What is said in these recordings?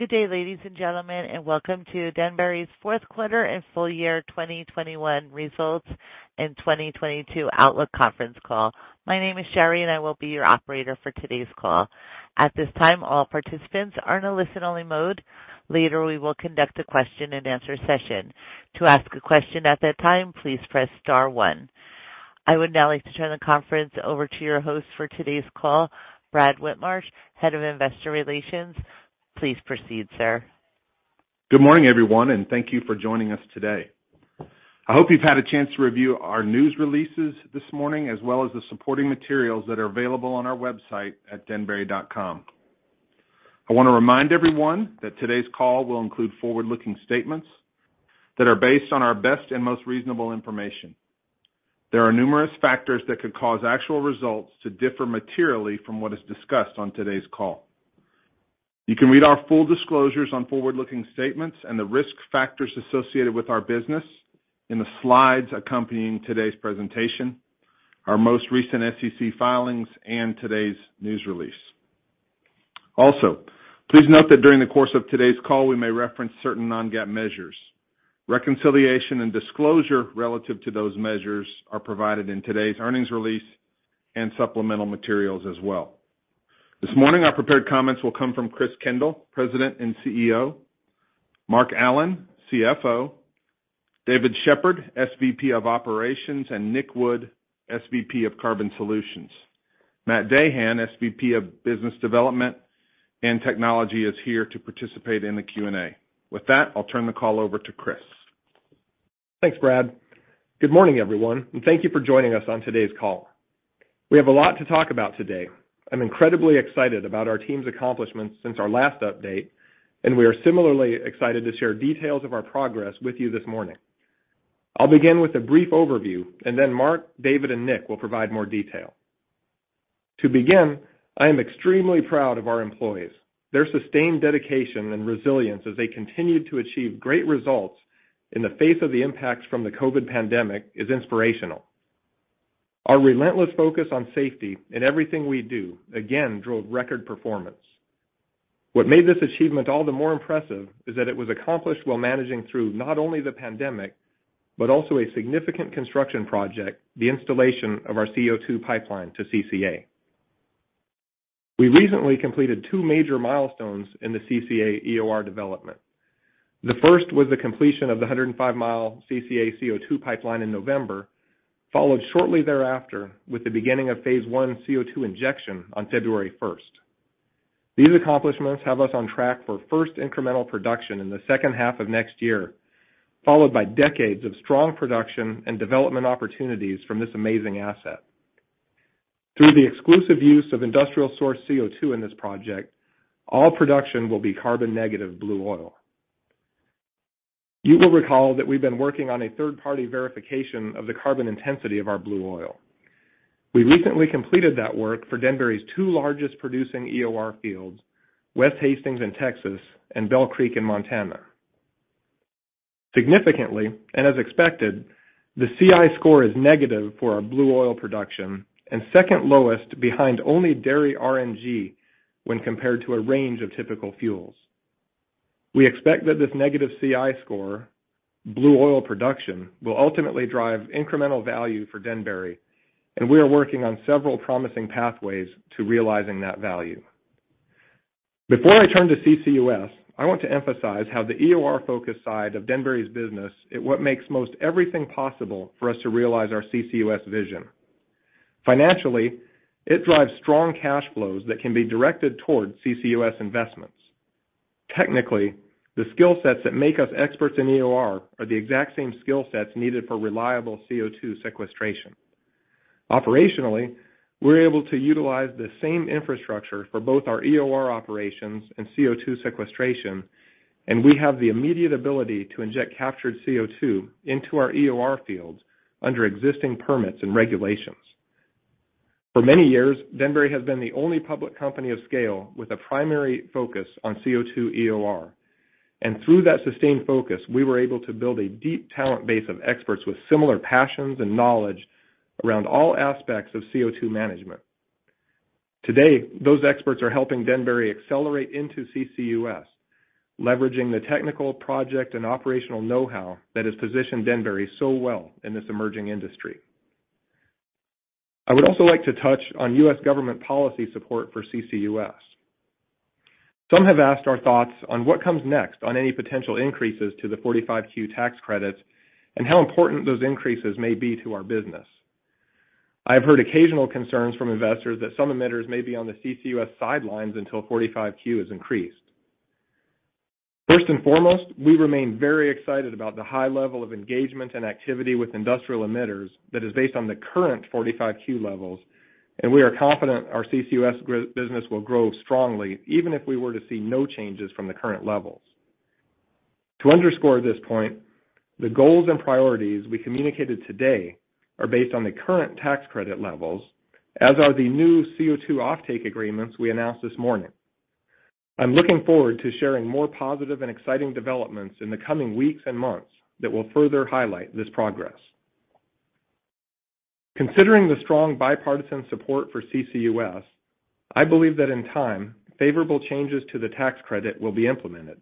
Good day, ladies and gentlemen, and welcome to Denbury's fourth quarter and full year 2021 results and 2022 outlook conference call. My name is Sherry, and I will be your operator for today's call. At this time, all participants are in a listen-only mode. Later, we will conduct a question-and-answer session. To ask a question at that time, please press star one. I would now like to turn the conference over to your host for today's call, Brad Whitmarsh, Head of Investor Relations. Please proceed, sir. Good morning, everyone, and thank you for joining us today. I hope you've had a chance to review our news releases this morning, as well as the supporting materials that are available on our website at denbury.com. I wanna remind everyone that today's call will include forward-looking statements that are based on our best and most reasonable information. There are numerous factors that could cause actual results to differ materially from what is discussed on today's call. You can read our full disclosures on forward-looking statements and the risk factors associated with our business in the slides accompanying today's presentation, our most recent SEC filings, and today's news release. Also, please note that during the course of today's call, we may reference certain non-GAAP measures. Reconciliation and disclosure relative to those measures are provided in today's earnings release and supplemental materials as well. This morning, our prepared comments will come from Chris Kendall, President and CEO, Mark Allen, CFO, David Sheppard, SVP of Operations, and Nik Wood, SVP of Carbon Solutions. Matt Dahan, SVP of Business Development and Technology, is here to participate in the Q&A. With that, I'll turn the call over to Chris. Thanks, Brad. Good morning, everyone, and thank you for joining us on today's call. We have a lot to talk about today. I'm incredibly excited about our team's accomplishments since our last update, and we are similarly excited to share details of our progress with you this morning. I'll begin with a brief overview and then Mark, David, and Nik will provide more detail. To begin, I am extremely proud of our employees. Their sustained dedication and resilience as they continued to achieve great results in the face of the impacts from the COVID pandemic is inspirational. Our relentless focus on safety in everything we do again drove record performance. What made this achievement all the more impressive is that it was accomplished while managing through not only the pandemic, but also a significant construction project, the installation of our CO2 pipeline to CCA. We recently completed two major milestones in the CCA EOR development. The first was the completion of the 105 mi CCA CO2 pipeline in November, followed shortly thereafter with the beginning of phase one CO2 injection on February first. These accomplishments have us on track for first incremental production in the second half of next year, followed by decades of strong production and development opportunities from this amazing asset. Through the exclusive use of industrial source CO2 in this project, all production will be carbon negative Blue Oil. You will recall that we've been working on a third-party verification of the carbon intensity of our Blue Oil. We recently completed that work for Denbury's two largest producing EOR fields, West Hastings in Texas and Bell Creek in Montana. Significantly, and as expected, the CI score is negative for our Blue Oil production and second lowest behind only dairy RNG when compared to a range of typical fuels. We expect that this negative CI score, Blue Oil production, will ultimately drive incremental value for Denbury, and we are working on several promising pathways to realizing that value. Before I turn to CCUS, I want to emphasize how the EOR-focused side of Denbury's business is what makes most everything possible for us to realize our CCUS vision. Financially, it drives strong cash flows that can be directed towards CCUS investments. Technically, the skill sets that make us experts in EOR are the exact same skill sets needed for reliable CO2 sequestration. Operationally, we're able to utilize the same infrastructure for both our EOR operations and CO2 sequestration, and we have the immediate ability to inject captured CO2 into our EOR fields under existing permits and regulations. For many years, Denbury has been the only public company of scale with a primary focus on CO2 EOR, and through that sustained focus, we were able to build a deep talent base of experts with similar passions and knowledge around all aspects of CO2 management. Today, those experts are helping Denbury accelerate into CCUS, leveraging the technical project and operational know-how that has positioned Denbury so well in this emerging industry. I would also like to touch on U.S. government policy support for CCUS. Some have asked our thoughts on what comes next on any potential increases to the 45Q tax credits and how important those increases may be to our business. I've heard occasional concerns from investors that some emitters may be on the CCUS sidelines until 45Q is increased. First and foremost, we remain very excited about the high level of engagement and activity with industrial emitters that is based on the current 45Q levels, and we are confident our CCUS business will grow strongly even if we were to see no changes from the current levels. To underscore this point, the goals and priorities we communicated today are based on the current tax credit levels, as are the new CO2 offtake agreements we announced this morning. I'm looking forward to sharing more positive and exciting developments in the coming weeks and months that will further highlight this progress. Considering the strong bipartisan support for CCUS, I believe that in time, favorable changes to the tax credit will be implemented.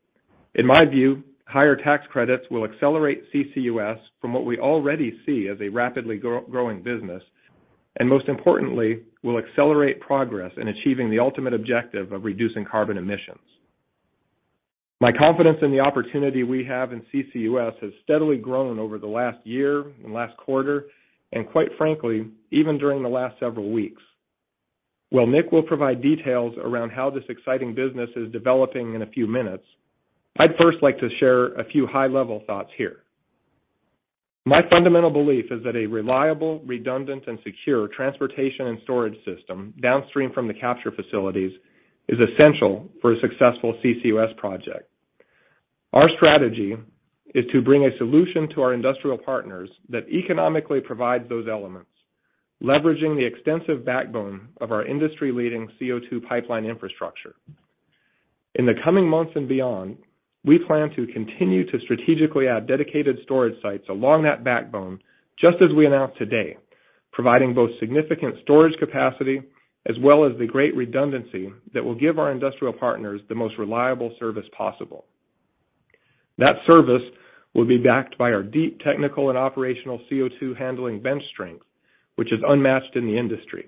In my view, higher tax credits will accelerate CCUS from what we already see as a rapidly growing business, and most importantly, will accelerate progress in achieving the ultimate objective of reducing carbon emissions. My confidence in the opportunity we have in CCUS has steadily grown over the last year and last quarter, and quite frankly, even during the last several weeks. While Nik will provide details around how this exciting business is developing in a few minutes, I'd first like to share a few high-level thoughts here. My fundamental belief is that a reliable, redundant, and secure transportation and storage system downstream from the capture facilities is essential for a successful CCUS project. Our strategy is to bring a solution to our industrial partners that economically provides those elements, leveraging the extensive backbone of our industry-leading CO2 pipeline infrastructure. In the coming months and beyond, we plan to continue to strategically add dedicated storage sites along that backbone, just as we announced today, providing both significant storage capacity as well as the great redundancy that will give our industrial partners the most reliable service possible. That service will be backed by our deep technical and operational CO2 handling bench strength, which is unmatched in the industry.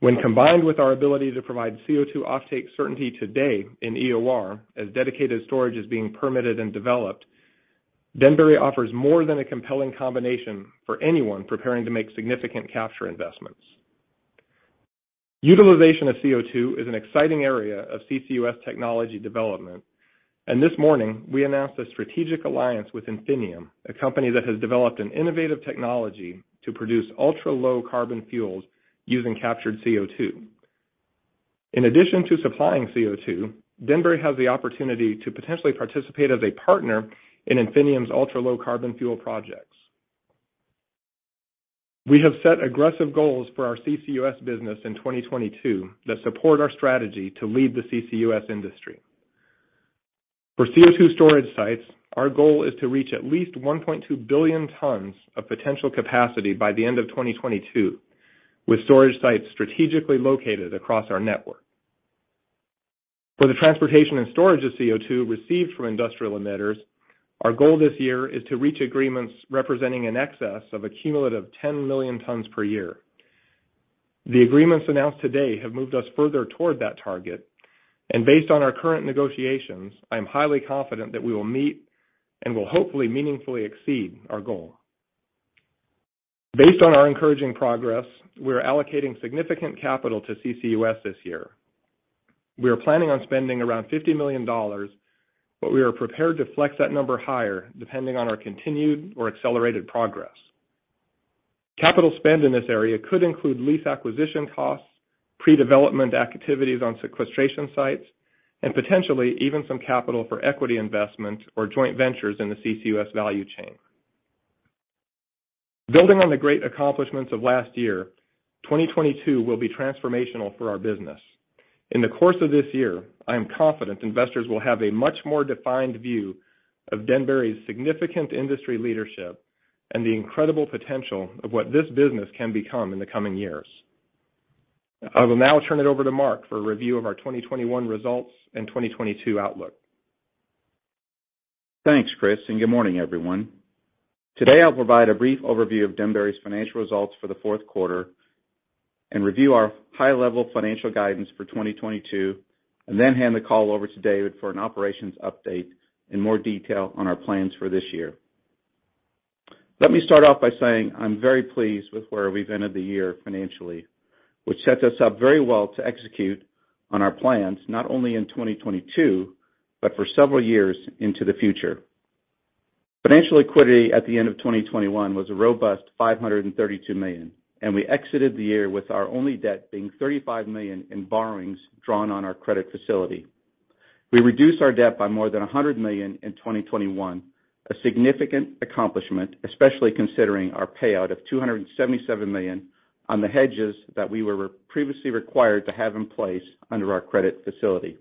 When combined with our ability to provide CO2 offtake certainty today in EOR, as dedicated storage is being permitted and developed, Denbury offers more than a compelling combination for anyone preparing to make significant capture investments. Utilization of CO2 is an exciting area of CCUS technology development, and this morning, we announced a strategic alliance with Infinium, a company that has developed an innovative technology to produce ultra-low carbon fuels using captured CO2. In addition to supplying CO2, Denbury has the opportunity to potentially participate as a partner in Infinium's ultra-low carbon fuel projects. We have set aggressive goals for our CCUS business in 2022 that support our strategy to lead the CCUS industry. For CO2 storage sites, our goal is to reach at least 1.2 billion tons of potential capacity by the end of 2022, with storage sites strategically located across our network. For the transportation and storage of CO2 received from industrial emitters, our goal this year is to reach agreements representing an excess of a cumulative 10 million tons per year. The agreements announced today have moved us further toward that target, and based on our current negotiations, I am highly confident that we will meet and will hopefully meaningfully exceed our goal. Based on our encouraging progress, we're allocating significant capital to CCUS this year. We are planning on spending around $50 million, but we are prepared to flex that number higher depending on our continued or accelerated progress. Capital spend in this area could include lease acquisition costs, pre-development activities on sequestration sites, and potentially even some capital for equity investments or joint ventures in the CCUS value chain. Building on the great accomplishments of last year, 2022 will be transformational for our business. In the course of this year, I am confident investors will have a much more defined view of Denbury's significant industry leadership and the incredible potential of what this business can become in the coming years. I will now turn it over to Mark for a review of our 2021 results and 2022 outlook. Thanks, Chris, and good morning, everyone. Today, I'll provide a brief overview of Denbury's financial results for the fourth quarter and review our high-level financial guidance for 2022, and then hand the call over to David for an operations update in more detail on our plans for this year. Let me start off by saying I'm very pleased with where we've ended the year financially, which sets us up very well to execute on our plans, not only in 2022, but for several years into the future. Financial liquidity at the end of 2021 was a robust $532 million, and we exited the year with our only debt being $35 million in borrowings drawn on our credit facility. We reduced our debt by more than $100 million in 2021, a significant accomplishment, especially considering our payout of $277 million on the hedges that we were previously required to have in place under our credit facility.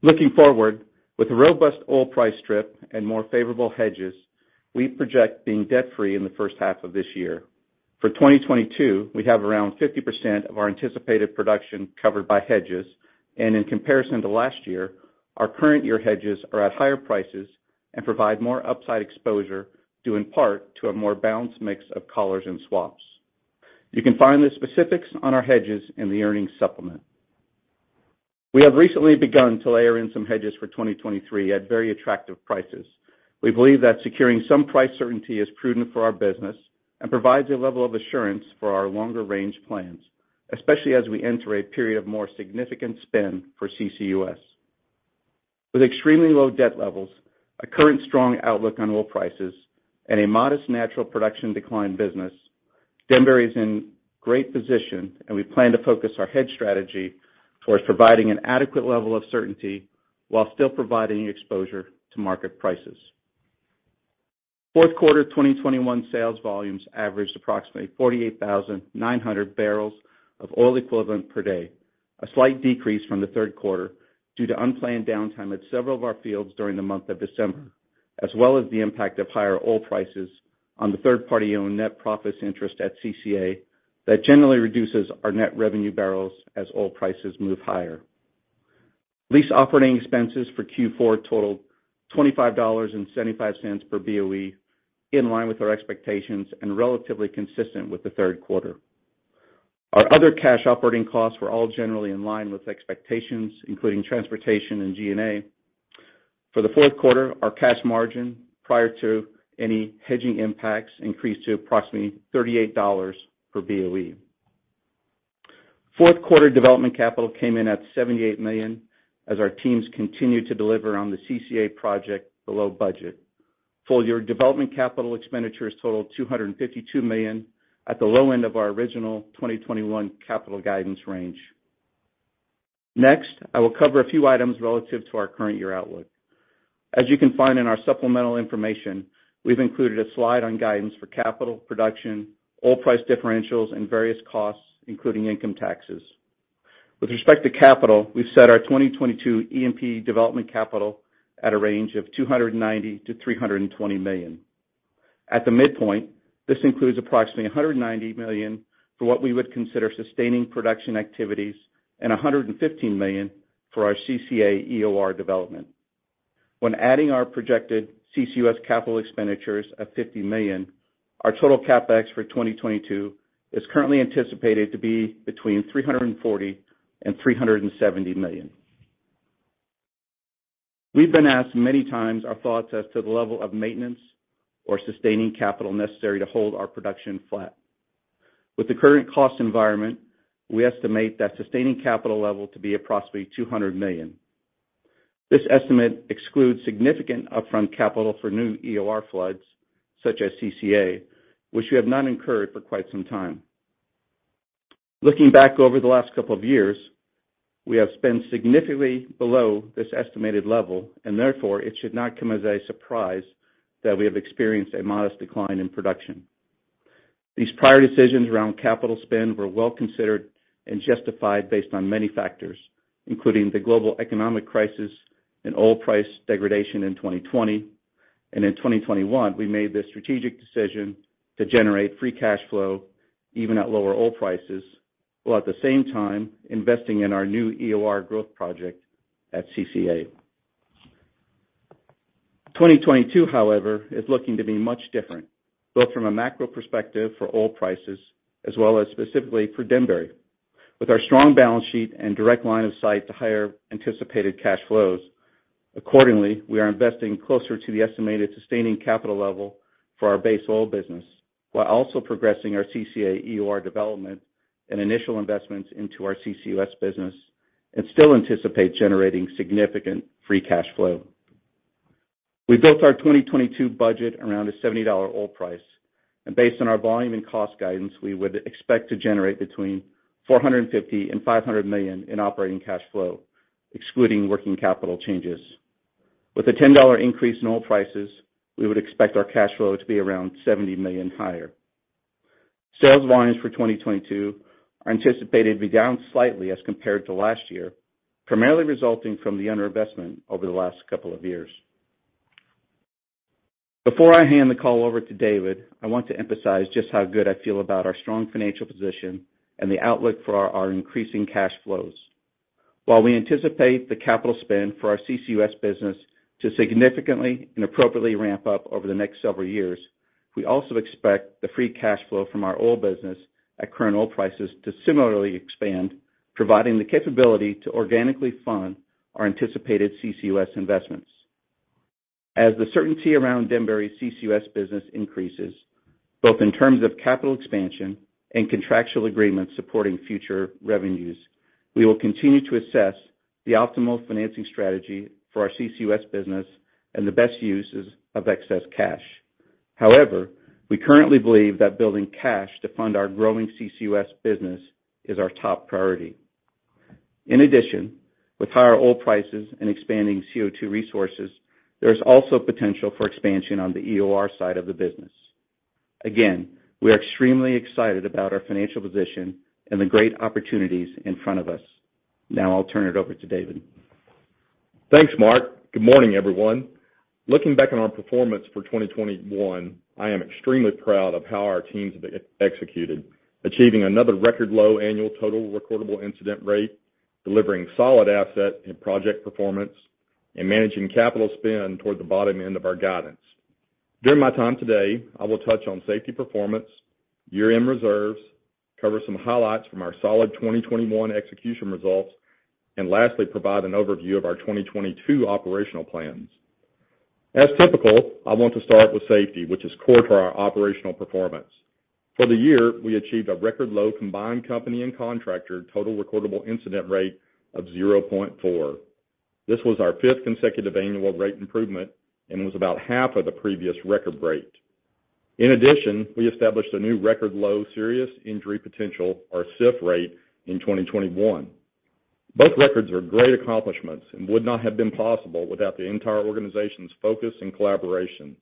Looking forward, with a robust oil price strip and more favorable hedges, we project being debt-free in the first half of this year. For 2022, we have around 50% of our anticipated production covered by hedges, and in comparison to last year, our current year hedges are at higher prices and provide more upside exposure, due in part to a more balanced mix of collars and swaps. You can find the specifics on our hedges in the earnings supplement. We have recently begun to layer in some hedges for 2023 at very attractive prices. We believe that securing some price certainty is prudent for our business and provides a level of assurance for our longer-range plans, especially as we enter a period of more significant spend for CCUS. With extremely low debt levels, a current strong outlook on oil prices, and a modest natural production decline business, Denbury is in great position, and we plan to focus our hedge strategy towards providing an adequate level of certainty while still providing exposure to market prices. Fourth quarter 2021 sales volumes averaged approximately 48,900 bbl of oil equivalent per day. A slight decrease from the third quarter due to unplanned downtime at several of our fields during the month of December, as well as the impact of higher oil prices on the third party-owned net profits interest at CCA that generally reduces our net revenue barrels as oil prices move higher. Lease operating expenses for Q4 totaled $25.75 per BOE, in line with our expectations and relatively consistent with the third quarter. Our other cash operating costs were all generally in line with expectations, including transportation and G&A. For the fourth quarter, our cash margin prior to any hedging impacts increased to approximately $38 per BOE. Fourth quarter development capital came in at $78 million as our teams continued to deliver on the CCA project below budget. Full year development capital expenditures totaled $252 million at the low end of our original 2021 capital guidance range. Next, I will cover a few items relative to our current year outlook. As you can find in our supplemental information, we've included a slide on guidance for capital production, oil price differentials, and various costs, including income taxes. With respect to capital, we've set our 2022 E&P development capital at a range of $290 million-$320 million. At the midpoint, this includes approximately $190 million for what we would consider sustaining production activities and $115 million for our CCA EOR development. When adding our projected CCUS capital expenditures of $50 million, our total CapEx for 2022 is currently anticipated to be between $340 million-$370 million. We've been asked many times our thoughts as to the level of maintenance or sustaining capital necessary to hold our production flat. With the current cost environment, we estimate that sustaining capital level to be approximately $200 million. This estimate excludes significant upfront capital for new EOR floods, such as CCA, which we have not incurred for quite some time. Looking back over the last couple of years, we have spent significantly below this estimated level, and therefore, it should not come as a surprise that we have experienced a modest decline in production. These prior decisions around capital spend were well considered and justified based on many factors, including the global economic crisis and oil price degradation in 2020. In 2021, we made the strategic decision to generate free cash flow even at lower oil prices, while at the same time investing in our new EOR growth project at CCA. 2022, however, is looking to be much different, both from a macro perspective for oil prices as well as specifically for Denbury with our strong balance sheet and direct line of sight to higher anticipated cash flows. Accordingly, we are investing closer to the estimated sustaining capital level for our base oil business while also progressing our CCA EOR development and initial investments into our CCUS business, and still anticipate generating significant free cash flow. We built our 2022 budget around a $70 oil price, and based on our volume and cost guidance, we would expect to generate between $450 million and $500 million in operating cash flow, excluding working capital changes. With a $10 increase in oil prices, we would expect our cash flow to be around $70 million higher. Sales volumes for 2022 are anticipated to be down slightly as compared to last year, primarily resulting from the under-investment over the last couple of years. Before I hand the call over to David, I want to emphasize just how good I feel about our strong financial position and the outlook for our increasing cash flows. While we anticipate the capital spend for our CCUS business to significantly and appropriately ramp up over the next several years, we also expect the free cash flow from our oil business at current oil prices to similarly expand, providing the capability to organically fund our anticipated CCUS investments. As the certainty around Denbury's CCUS business increases, both in terms of capital expansion and contractual agreements supporting future revenues, we will continue to assess the optimal financing strategy for our CCUS business and the best uses of excess cash. However, we currently believe that building cash to fund our growing CCUS business is our top priority. In addition, with higher oil prices and expanding CO2 resources, there is also potential for expansion on the EOR side of the business. Again, we are extremely excited about our financial position and the great opportunities in front of us. Now I'll turn it over to David. Thanks, Mark. Good morning, everyone. Looking back on our performance for 2021, I am extremely proud of how our teams have executed, achieving another record low annual total recordable incident rate, delivering solid asset and project performance, and managing capital spend toward the bottom end of our guidance. During my time today, I will touch on safety performance, year-end reserves, cover some highlights from our solid 2021 execution results, and lastly, provide an overview of our 2022 operational plans. As typical, I want to start with safety, which is core to our operational performance. For the year, we achieved a record low combined company and contractor total recordable incident rate of 0.4. This was our fifth consecutive annual rate improvement and was about half of the previous record rate. In addition, we established a new record low serious injury potential or SIF rate in 2021. Both records are great accomplishments and would not have been possible without the entire organization's focus and collaboration.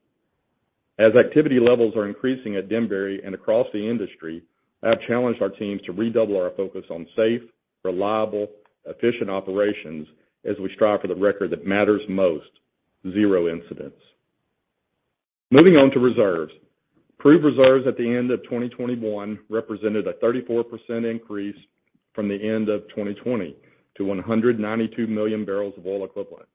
As activity levels are increasing at Denbury and across the industry, I have challenged our teams to redouble our focus on safe, reliable, efficient operations as we strive for the record that matters most, zero incidents. Moving on to reserves. Proved reserves at the end of 2021 represented a 34% increase from the end of 2020 to 192 million bbl of oil equivalent.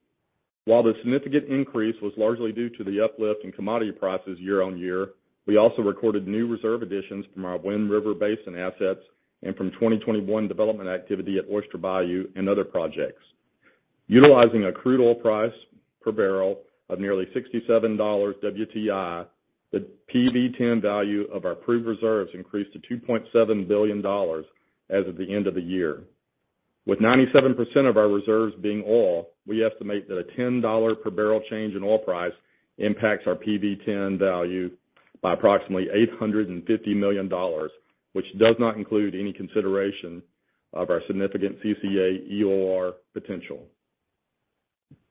While the significant increase was largely due to the uplift in commodity prices year on year, we also recorded new reserve additions from our Wind River basin assets and from 2021 development activity at Oyster Bayou and other projects. Utilizing a crude oil price per barrel of nearly $67 WTI, the PV-10 value of our proved reserves increased to $2.7 billion as of the end of the year. With 97% of our reserves being oil, we estimate that a $10 per barrel change in oil price impacts our PV-10 value by approximately $850 million, which does not include any consideration of our significant CCA EOR potential.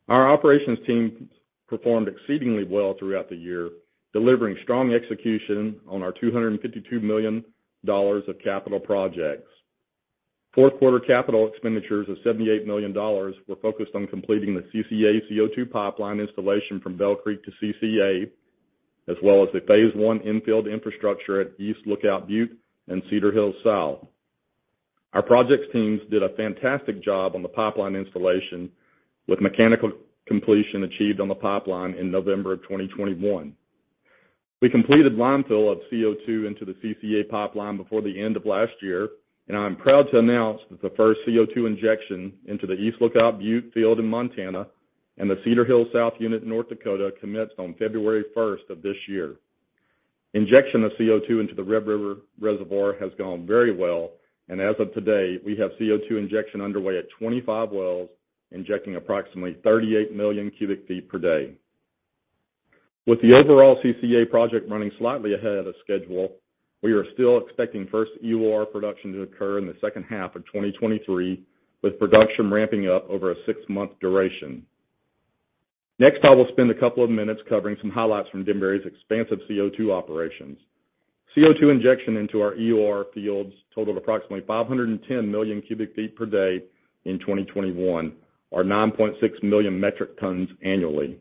Our operations team performed exceedingly well throughout the year, delivering strong execution on our $252 million of capital projects. Fourth quarter capital expenditures of $78 million were focused on completing the CCA CO2 pipeline installation from Bell Creek to CCA, as well as the phase 1 infield infrastructure at East Lookout Butte and Cedar Hills South. Our projects teams did a fantastic job on the pipeline installation, with mechanical completion achieved on the pipeline in November 2021. We completed line fill of CO2 into the CCA pipeline before the end of last year, and I'm proud to announce that the first CO2 injection into the East Lookout Butte field in Montana and the Cedar Hills South unit in North Dakota commenced on February 1st of this year. Injection of CO2 into the Red River reservoir has gone very well, and as of today, we have CO2 injection underway at 25 wells, injecting approximately 38 million cu ft per day. With the overall CCA project running slightly ahead of schedule, we are still expecting first EOR production to occur in the second half of 2023, with production ramping up over a 6-month duration. Next, I will spend a couple of minutes covering some highlights from Denbury's expansive CO2 operations. CO2 injection into our EOR fields totaled approximately 510 million cu ft per day in 2021, or 9.6 million metric tons annually.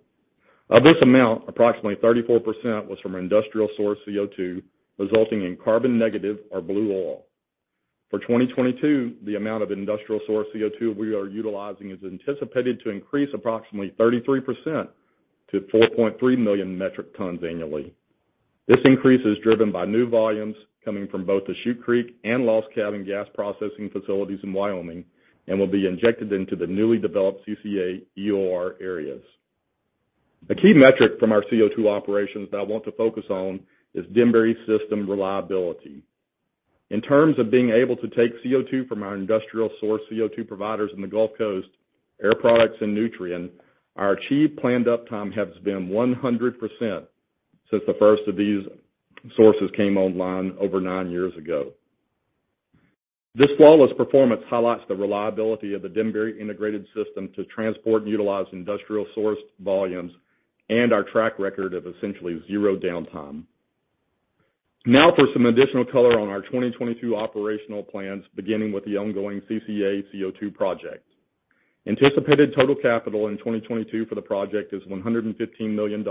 Of this amount, approximately 34% was from industrial source CO2, resulting in carbon negative or blue oil. For 2022, the amount of industrial source CO2 we are utilizing is anticipated to increase approximately 33% to 4.3 million metric tons annually. This increase is driven by new volumes coming from both the Shute Creek and Lost Cabin Gas Processing Facilities in Wyoming and will be injected into the newly developed CCA EOR areas. A key metric from our CO2 operations that I want to focus on is Denbury's system reliability. In terms of being able to take CO2 from our industrial source CO2 providers in the Gulf Coast, Air Products and Nutrien, our achieved planned uptime has been 100% since the first of these sources came online over nine years ago. This flawless performance highlights the reliability of the Denbury integrated system to transport and utilize industrial sourced volumes and our track record of essentially zero downtime. Now for some additional color on our 2022 operational plans, beginning with the ongoing CCA CO2 project. Anticipated total capital in 2022 for the project is $115 million,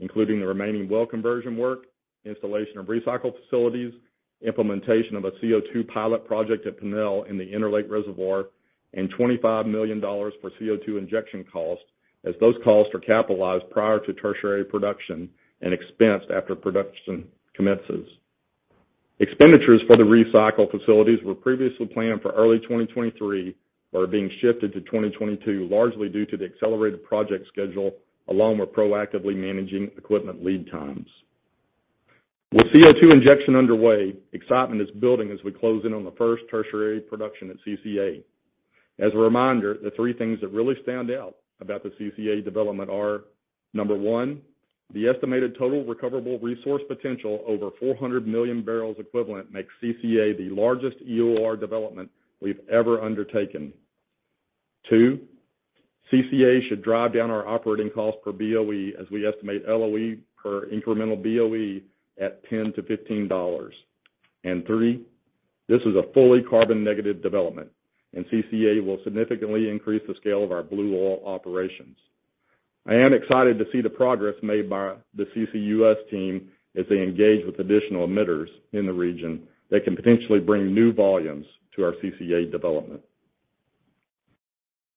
including the remaining well conversion work, installation of recycle facilities, implementation of a CO2 pilot project at Pinnell in the Interlake reservoir, and $25 million for CO2 injection costs, as those costs are capitalized prior to tertiary production and expensed after production commences. Expenditures for the recycle facilities were previously planned for early 2023, but are being shifted to 2022, largely due to the accelerated project schedule along with proactively managing equipment lead times. With CO2 injection underway, excitement is building as we close in on the first tertiary production at CCA. As a reminder, the three things that really stand out about the CCA development are, number one, the estimated total recoverable resource potential over 400 million BOE makes CCA the largest EOR development we've ever undertaken. Two, CCA should drive down our operating costs per BOE as we estimate LOE per incremental BOE at $10-$15. Three, this is a fully carbon negative development, and CCA will significantly increase the scale of our Blue Oil operations. I am excited to see the progress made by the CCUS team as they engage with additional emitters in the region that can potentially bring new volumes to our CCA development.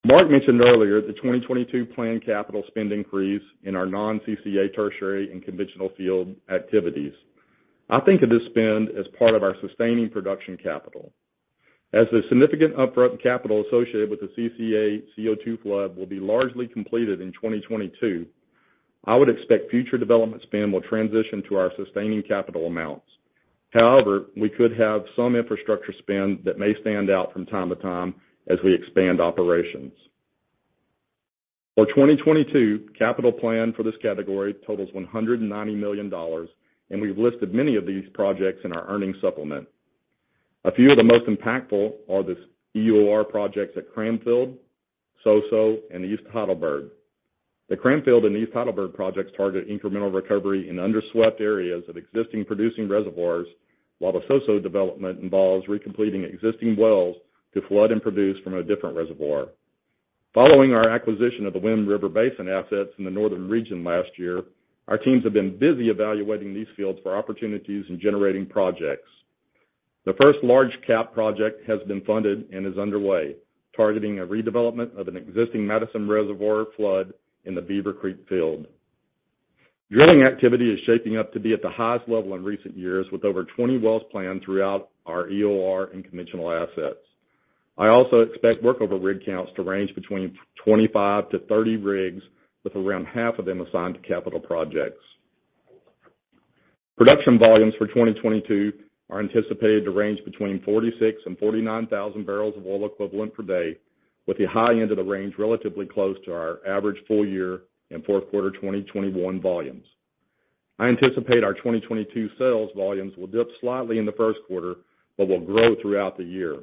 Mark mentioned earlier the 2022 planned capital spend increase in our non-CCA tertiary and conventional field activities. I think of this spend as part of our sustaining production capital. As the significant upfront capital associated with the CCA CO2 flood will be largely completed in 2022, I would expect future development spend will transition to our sustaining capital amounts. However, we could have some infrastructure spend that may stand out from time to time as we expand operations. Our 2022 capital plan for this category totals $190 million, and we've listed many of these projects in our earnings supplement. A few of the most impactful are the EOR projects at Cranfield, Soso, and the East Heidelberg. The Cranfield and East Heidelberg projects target incremental recovery in under-swept areas of existing producing reservoirs, while the Soso development involves recompleting existing wells to flood and produce from a different reservoir. Following our acquisition of the Wind River Basin assets in the northern region last year, our teams have been busy evaluating these fields for opportunities in generating projects. The first large cap project has been funded and is underway, targeting a redevelopment of an existing Madison Reservoir flood in the Beaver Creek field. Drilling activity is shaping up to be at the highest level in recent years, with over 20 wells planned throughout our EOR and conventional assets. I also expect workover rig counts to range between 25-30 rigs, with around half of them assigned to capital projects. Production volumes for 2022 are anticipated to range between 46,000-49,000 barrels of oil equivalent per day, with the high end of the range relatively close to our average full year in fourth quarter 2021 volumes. I anticipate our 2022 sales volumes will dip slightly in the first quarter, but will grow throughout the year,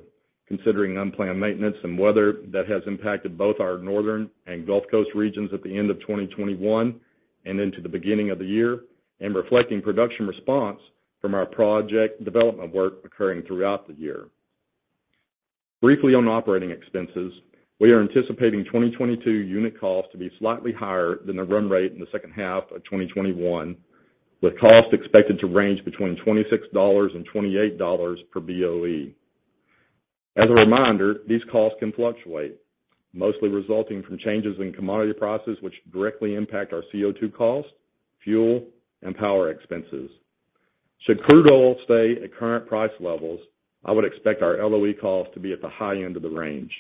considering unplanned maintenance and weather that has impacted both our northern and Gulf Coast regions at the end of 2021 and into the beginning of the year, and reflecting production response from our project development work occurring throughout the year. Briefly on operating expenses, we are anticipating 2022 unit costs to be slightly higher than the run rate in the second half of 2021, with costs expected to range between $26-$28 per BOE. As a reminder, these costs can fluctuate, mostly resulting from changes in commodity prices which directly impact our CO2 costs, fuel, and power expenses. Should crude oil stay at current price levels, I would expect our LOE costs to be at the high end of the range.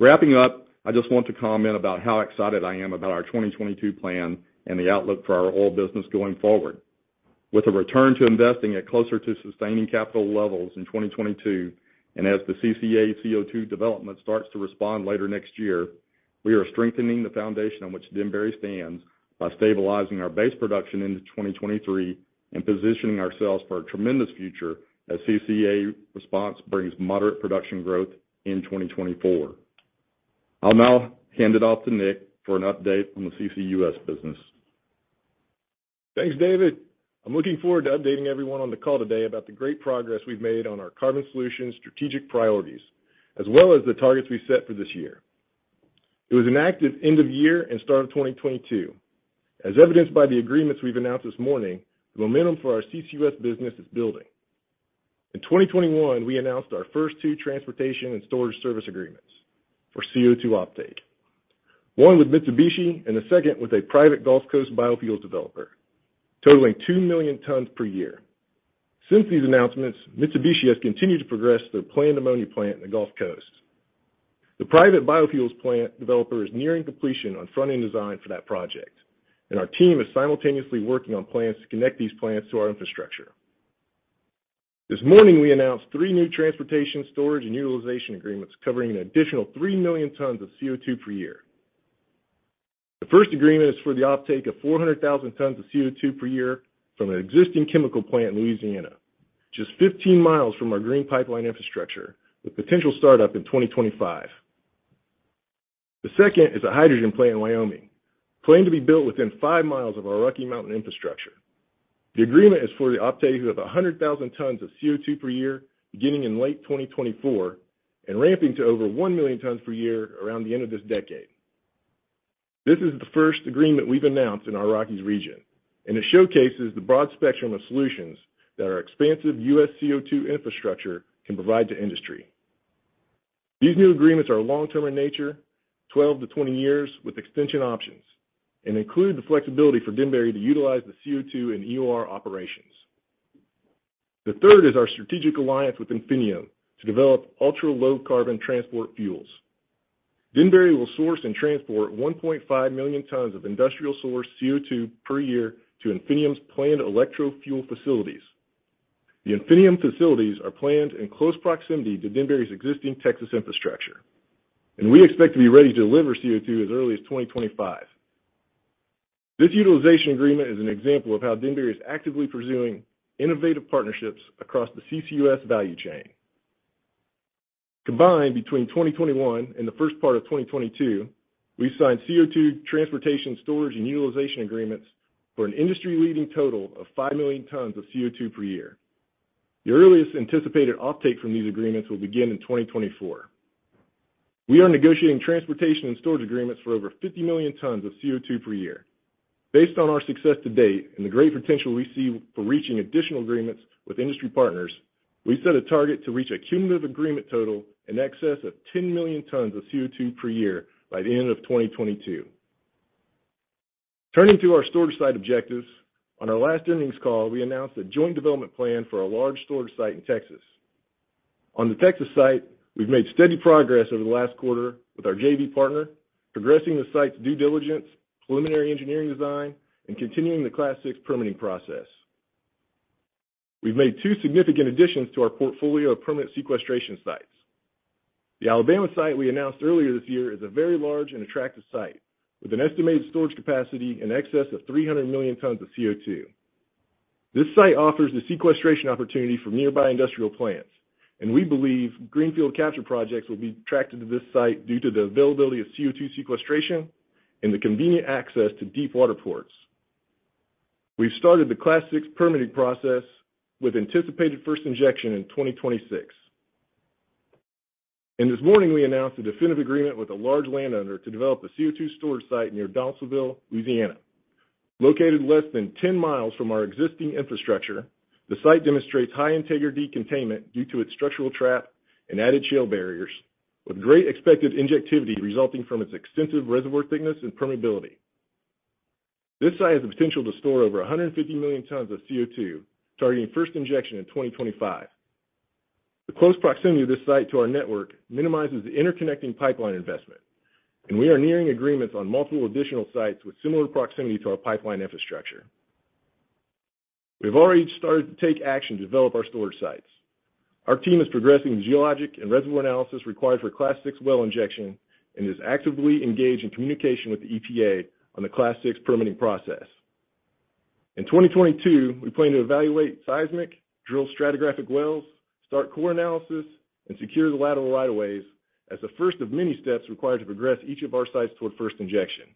Wrapping up, I just want to comment about how excited I am about our 2022 plan and the outlook for our oil business going forward. With a return to investing at closer to sustaining capital levels in 2022, and as the CCA CO2 development starts to respond later next year, we are strengthening the foundation on which Denbury stands by stabilizing our base production into 2023 and positioning ourselves for a tremendous future as CCA response brings moderate production growth in 2024. I'll now hand it off to Nik for an update on the CCUS business. Thanks, David. I'm looking forward to updating everyone on the call today about the great progress we've made on our carbon solutions strategic priorities, as well as the targets we've set for this year. It was an active end of year and start of 2022. As evidenced by the agreements we've announced this morning, the momentum for our CCUS business is building. In 2021, we announced our first two transportation and storage service agreements for CO2 offtake. One with Mitsubishi and the second with a private Gulf Coast biofuels developer, totaling 2 million tons per year. Since these announcements, Mitsubishi has continued to progress their planned ammonia plant in the Gulf Coast. The private biofuels plant developer is nearing completion on front-end design for that project, and our team is simultaneously working on plans to connect these plants to our infrastructure. This morning we announced three new transportation, storage, and utilization agreements covering an additional 3 million tons of CO2 per year. The first agreement is for the offtake of 400,000 tons of CO2 per year from an existing chemical plant in Louisiana, just 15 miles from our Green Pipeline infrastructure, with potential startup in 2025. The second is a hydrogen plant in Wyoming, planned to be built within 5 mi of our Rocky Mountain infrastructure. The agreement is for the offtake of 100,000 tons of CO2 per year, beginning in late 2024, and ramping to over 1 million tons per year around the end of this decade. This is the first agreement we've announced in our Rockies region, and it showcases the broad spectrum of solutions that our expansive U.S. CO2 infrastructure can provide to industry. These new agreements are long-term in nature, 12-20 years, with extension options, and include the flexibility for Denbury to utilize the CO2 in EOR operations. The third is our strategic alliance with Infinium to develop ultra-low carbon transport fuels. Denbury will source and transport 1.5 million tons of industrial-sourced CO2 per year to Infinium's planned electrofuel facilities. The Infinium facilities are planned in close proximity to Denbury's existing Texas infrastructure. We expect to be ready to deliver CO2 as early as 2025. This utilization agreement is an example of how Denbury is actively pursuing innovative partnerships across the CCUS value chain. Combined between 2021 and the first part of 2022, we've signed CO2 transportation, storage, and utilization agreements for an industry-leading total of 5 million tons of CO2 per year. The earliest anticipated offtake from these agreements will begin in 2024. We are negotiating transportation and storage agreements for over 50 million tons of CO2 per year. Based on our success to date and the great potential we see for reaching additional agreements with industry partners, we set a target to reach a cumulative agreement total in excess of 10 million tons of CO2 per year by the end of 2022. Turning to our storage site objectives, on our last earnings call we announced a joint development plan for a large storage site in Texas. On the Texas site, we've made steady progress over the last quarter with our JV partner, progressing the site's due diligence, preliminary engineering design, and continuing the Class VI permitting process. We've made two significant additions to our portfolio of permanent sequestration sites. The Alabama site we announced earlier this year is a very large and attractive site with an estimated storage capacity in excess of 300 million tons of CO2. This site offers the sequestration opportunity for nearby industrial plants, and we believe greenfield capture projects will be attracted to this site due to the availability of CO2 sequestration and the convenient access to deep water ports. We've started the Class VI permitting process with anticipated first injection in 2026. This morning, we announced a definitive agreement with a large landowner to develop a CO2 storage site near Donaldsonville, Louisiana. Located less than 10 mi from our existing infrastructure, the site demonstrates high integrity containment due to its structural trap and added shield barriers, with great expected injectivity resulting from its extensive reservoir thickness and permeability. This site has the potential to store over 150 million tons of CO2, targeting first injection in 2025. The close proximity of this site to our network minimizes the interconnecting pipeline investment, and we are nearing agreements on multiple additional sites with similar proximity to our pipeline infrastructure. We've already started to take action to develop our storage sites. Our team is progressing geologic and reservoir analysis required for Class VI well injection and is actively engaged in communication with the EPA on the Class VI permitting process. In 2022, we plan to evaluate seismic, drill stratigraphic wells, start core analysis, and secure the lateral rights-of-way as the first of many steps required to progress each of our sites toward first injection.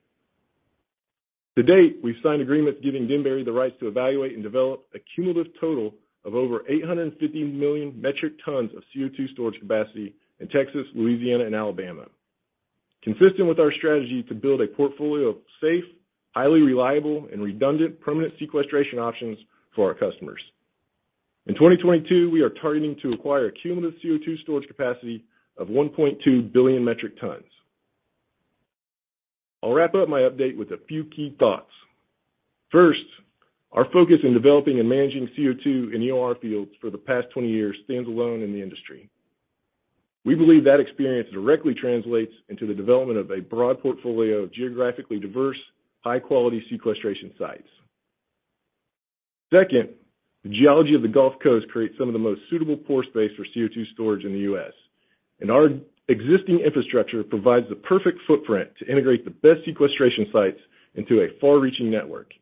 To date, we've signed agreements giving Denbury the rights to evaluate and develop a cumulative total of over 850 million metric tons of CO2 storage capacity in Texas, Louisiana, and Alabama, consistent with our strategy to build a portfolio of safe, highly reliable, and redundant permanent sequestration options for our customers. In 2022, we are targeting to acquire a cumulative CO2 storage capacity of 1.2 billion metric tons. I'll wrap up my update with a few key thoughts. First, our focus in developing and managing CO2 in EOR fields for the past 20 years stands alone in the industry. We believe that experience directly translates into the development of a broad portfolio of geographically diverse, high-quality sequestration sites. Second, the geology of the Gulf Coast creates some of the most suitable pore space for CO2 storage in the U.S., and our existing infrastructure provides the perfect footprint to integrate the best sequestration sites into a far-reaching network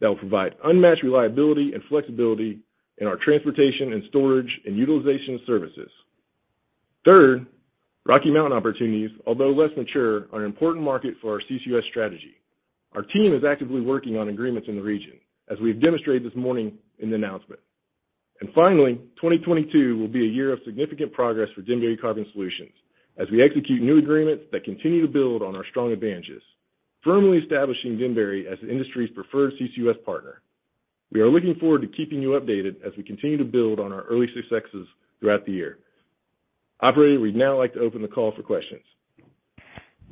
that will provide unmatched reliability and flexibility in our transportation and storage and utilization services. Third, Rocky Mountain opportunities, although less mature, are an important market for our CCUS strategy. Our team is actively working on agreements in the region, as we've demonstrated this morning in the announcement. Finally, 2022 will be a year of significant progress for Denbury Carbon Solutions as we execute new agreements that continue to build on our strong advantages, firmly establishing Denbury as the industry's preferred CCUS partner. We are looking forward to keeping you updated as we continue to build on our early successes throughout the year. Operator, we'd now like to open the call for questions.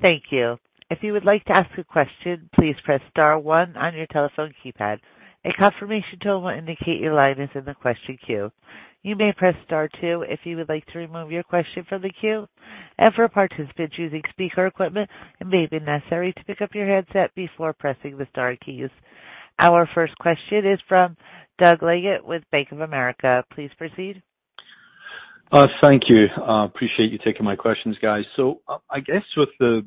Thank you. If you would like to ask a question, please press star one on your telephone keypad. A confirmation tone will indicate your line is in the question queue. You may press star two if you would like to remove your question from the queue. For participants using speaker equipment, it may be necessary to pick up your headset before pressing the star keys. Our first question is from Doug Leggate with Bank of America. Please proceed. Thank you. I appreciate you taking my questions, guys. I guess with the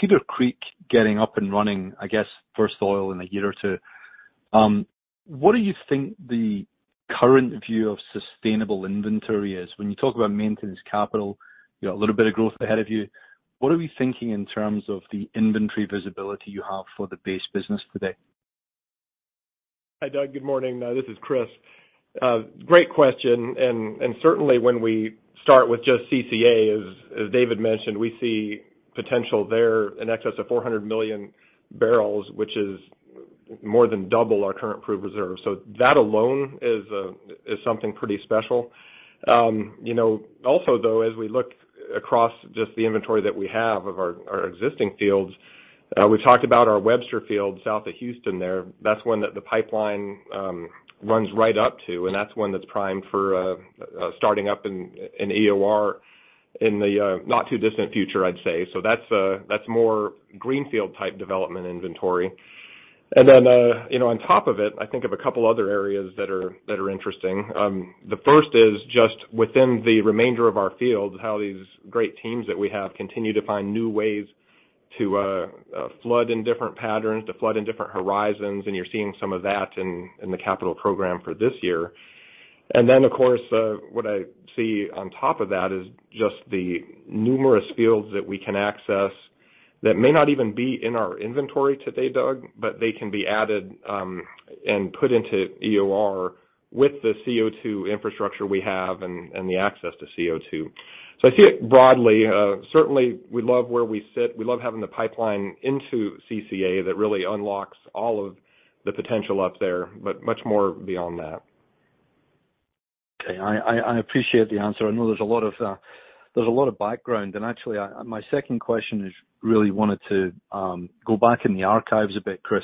Cedar Creek getting up and running, I guess first oil in a year or two, what do you think the current view of sustainable inventory is? When you talk about maintenance capital, you got a little bit of growth ahead of you. What are we thinking in terms of the inventory visibility you have for the base business today? Hi, Doug. Good morning. This is Chris. Great question, and certainly when we start with just CCA, as David mentioned, we see potential there in excess of 400 million bbl, which is more than double our current proved reserves. That alone is something pretty special. You know, also though, as we look across just the inventory that we have of our existing fields, we talked about our Webster Field south of Houston there. That's one that the pipeline runs right up to, and that's one that's primed for starting up in EOR in the not too distant future, I'd say. That's more greenfield-type development inventory. You know, on top of it, I think of a couple other areas that are interesting. The first is just within the remainder of our fields, how these great teams that we have continue to find new ways to flood in different patterns, to flood in different horizons, and you're seeing some of that in the capital program for this year. Of course, what I see on top of that is just the numerous fields that we can access that may not even be in our inventory today, Doug, but they can be added and put into EOR with the CO2 infrastructure we have and the access to CO2. I see it broadly. Certainly we love where we sit. We love having the pipeline into CCA. That really unlocks all of the potential up there, but much more beyond that. Okay. I appreciate the answer. I know there's a lot of background. Actually, my second question is really wanted to go back in the archives a bit, Chris.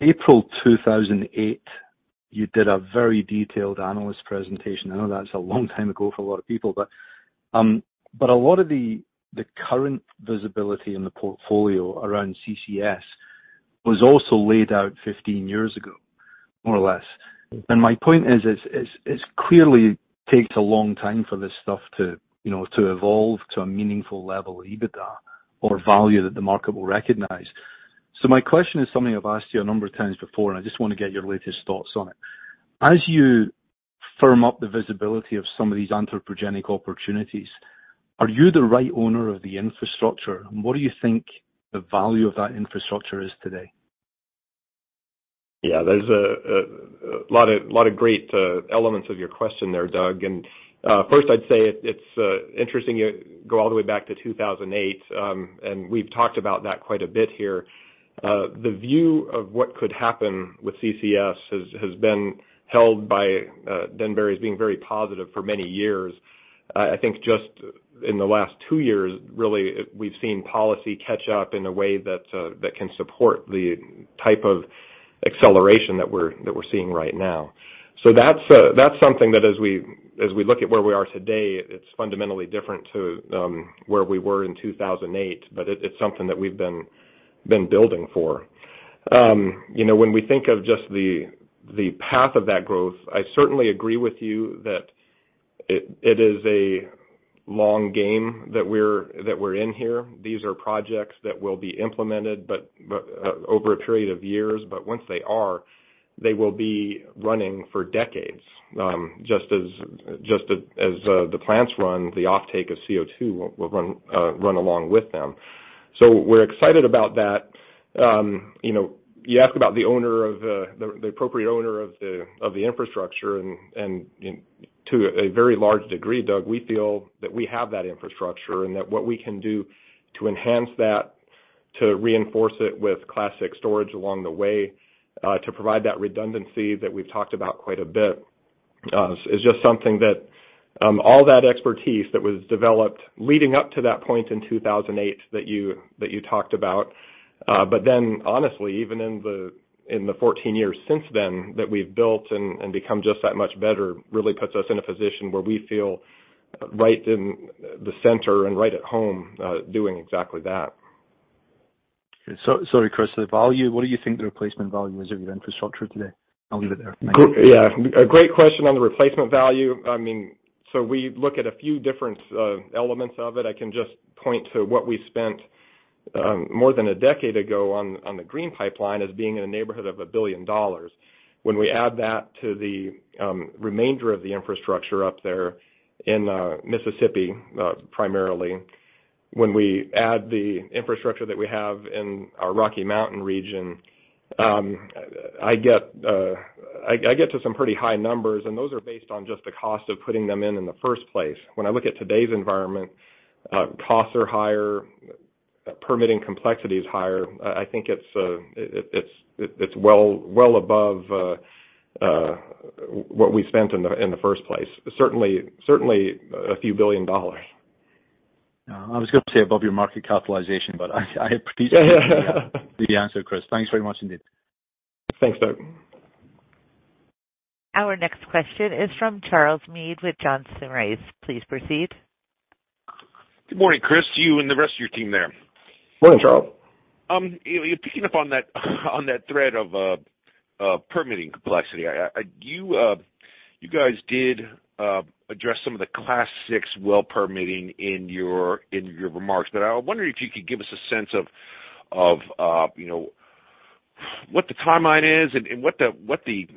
April 2008, you did a very detailed analyst presentation. I know that's a long time ago for a lot of people, but a lot of the current visibility in the portfolio around CCS was also laid out 15 years ago, more or less. My point is it's clearly takes a long time for this stuff to, you know, to evolve to a meaningful level of EBITDA or value that the market will recognize. My question is something I've asked you a number of times before, and I just wanna get your latest thoughts on it. As you firm up the visibility of some of these anthropogenic opportunities, are you the right owner of the infrastructure, and what do you think the value of that infrastructure is today? Yeah. There's a lot of great elements of your question there, Doug. First, I'd say it's interesting you go all the way back to 2008, and we've talked about that quite a bit here. The view of what could happen with CCS has been held by Denbury as being very positive for many years. I think just in the last two years really, we've seen policy catch up in a way that can support the type of acceleration that we're seeing right now. That's something that as we look at where we are today, it's fundamentally different to where we were in 2008, but it's something that we've been building for. You know, when we think of just the path of that growth, I certainly agree with you that it is a long game that we're in here. These are projects that will be implemented, but over a period of years. Once they are, they will be running for decades, just as the plants run, the offtake of CO2 will run along with them. We're excited about that. You know, you asked about the appropriate owner of the infrastructure and to a very large degree, Doug, we feel that we have that infrastructure and that what we can do to enhance that, to reinforce it with Class VI storage along the way, to provide that redundancy that we've talked about quite a bit, is just something that all that expertise that was developed leading up to that point in 2008 that you talked about. Honestly, even in the 14 years since then that we've built and become just that much better, really puts us in a position where we feel right in the center and right at home, doing exactly that. Sorry, Chris, the value, what do you think the replacement value is of your infrastructure today? I'll leave it there. Yeah. A great question on the replacement value. I mean, we look at a few different elements of it. I can just point to what we spent more than a decade ago on the Green Pipeline as being in the neighborhood of $1 billion. When we add that to the remainder of the infrastructure up there in Mississippi, primarily, when we add the infrastructure that we have in our Rocky Mountain region, I get to some pretty high numbers, and those are based on just the cost of putting them in the first place. When I look at today's environment, costs are higher, permitting complexity is higher. I think it's well above what we spent in the first place. Certainly a few billion dollars. I was gonna say above your market capitalization, but I appreciate the answer, Chris. Thanks very much indeed. Thanks, Doug. Our next question is from Charles Meade with Johnson Rice. Please proceed. Good morning, Chris, to you and the rest of your team there. Morning, Charles. Picking up on that thread of permitting complexity. You guys did address some of the Class VI well permitting in your remarks, but I wonder if you could give us a sense of you know, what the timeline is and what the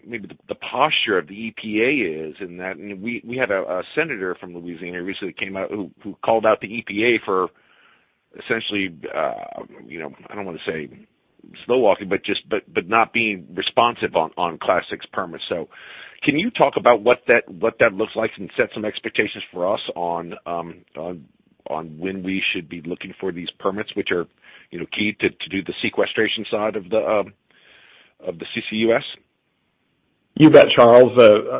maybe the posture of the EPA is in that. We had a senator from Louisiana recently came out who called out the EPA for essentially you know, I don't wanna say slow walking, but just not being responsive on Class VI permits. Can you talk about what that looks like and set some expectations for us on when we should be looking for these permits, which are, you know, key to do the sequestration side of the CCUS? You bet, Charles.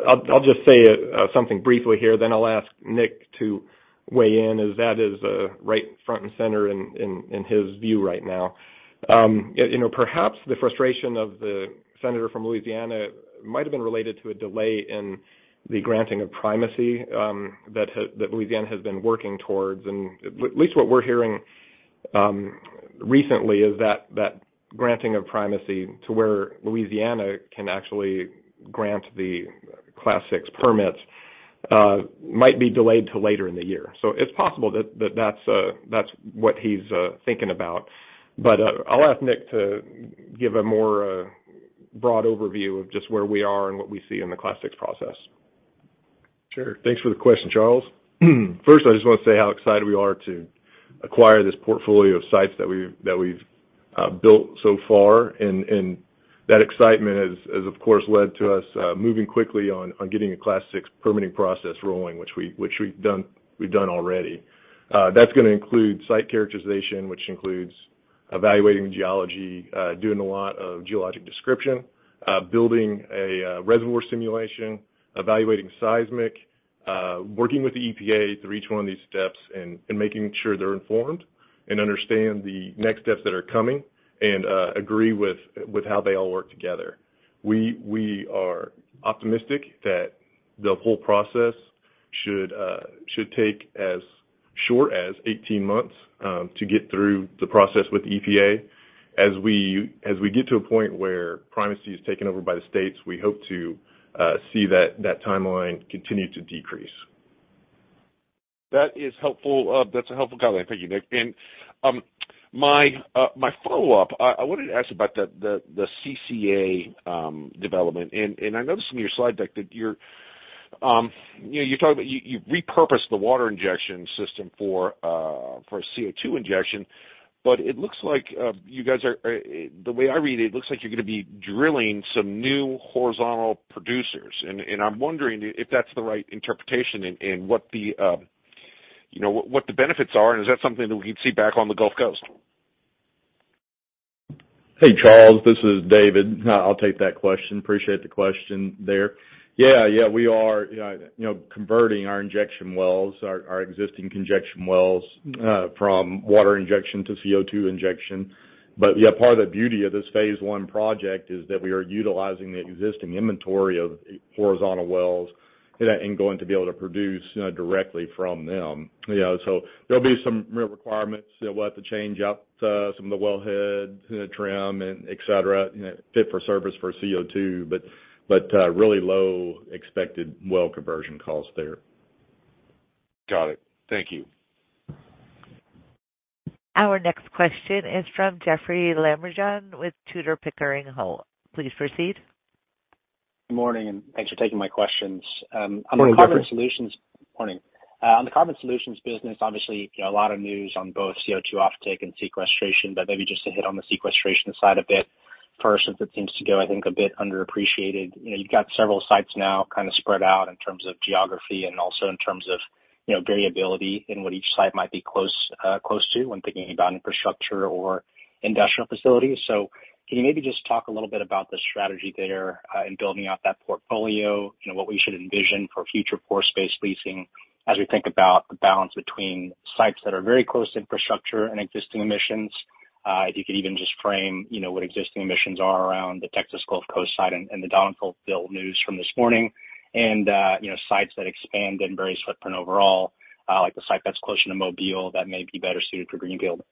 I'll just say something briefly here, then I'll ask Nik to weigh in as that is right front and center in his view right now. You know, perhaps the frustration of the senator from Louisiana might've been related to a delay in the granting of primacy, that Louisiana has been working towards. At least what we're hearing recently is that granting of primacy to where Louisiana can actually grant the Class VI permits might be delayed till later in the year. It's possible that that's what he's thinking about. I'll ask Nik to give a more broad overview of just where we are and what we see in the Class VI process. Sure. Thanks for the question, Charles. First, I just wanna say how excited we are to acquire this portfolio of sites that we've built so far, and that excitement has, of course, led to us moving quickly on getting a Class VI permitting process rolling, which we've done already. That's gonna include site characterization, which includes evaluating geology, doing a lot of geologic description, building a reservoir simulation, evaluating seismic, working with the EPA through each one of these steps and making sure they're informed and understand the next steps that are coming and agree with how they all work together. We are optimistic that the whole process should take as short as 18 months to get through the process with EPA. As we get to a point where primacy is taken over by the states, we hope to see that timeline continue to decrease. That is helpful. That's a helpful guideline. Thank you, Nik. My follow-up, I wanted to ask about the CCA development. I noticed in your slide deck that you know, talked about, you repurposed the water injection system for CO2 injection. But the way I read it looks like you're gonna be drilling some new horizontal producers. I'm wondering if that's the right interpretation and what, you know, what the benefits are, and is that something that we can see back on the Gulf Coast? Hey, Charles, this is David. I'll take that question. Appreciate the question there. Yeah, yeah, we are, you know, converting our injection wells, our existing injection wells from water injection to CO2 injection. Yeah, part of the beauty of this phase one project is that we are utilizing the existing inventory of horizontal wells and going to be able to produce, you know, directly from them, you know. There'll be some real requirements. We'll have to change out some of the wellhead, you know, trim and et cetera, you know, fit for service for CO2, but really low expected well conversion costs there. Got it. Thank you. Our next question is from Jeoffrey Lambujon with Tudor, Pickering, Holt. Please proceed. Good morning, and thanks for taking my questions. Morning, Jeoffrey. On the carbon solutions business, obviously, you know, a lot of news on both CO2 offtake and sequestration, but maybe just to hit on the sequestration side a bit first, since it seems to go, I think, a bit underappreciated. You know, you've got several sites now kind of spread out in terms of geography and also in terms of, you know, variability in what each site might be close to when thinking about infrastructure or industrial facilities. So can you maybe just talk a little bit about the strategy there, in building out that portfolio? You know, what we should envision for future pore space leasing as we think about the balance between sites that are very close to infrastructure and existing emissions. If you could even just frame, you know, what existing emissions are around the Texas Gulf Coast site and the Donaldsonville news from this morning. You know, sites that expand Denbury's footprint overall, like the site that's closer to Mobile that may be better suited for greenfield.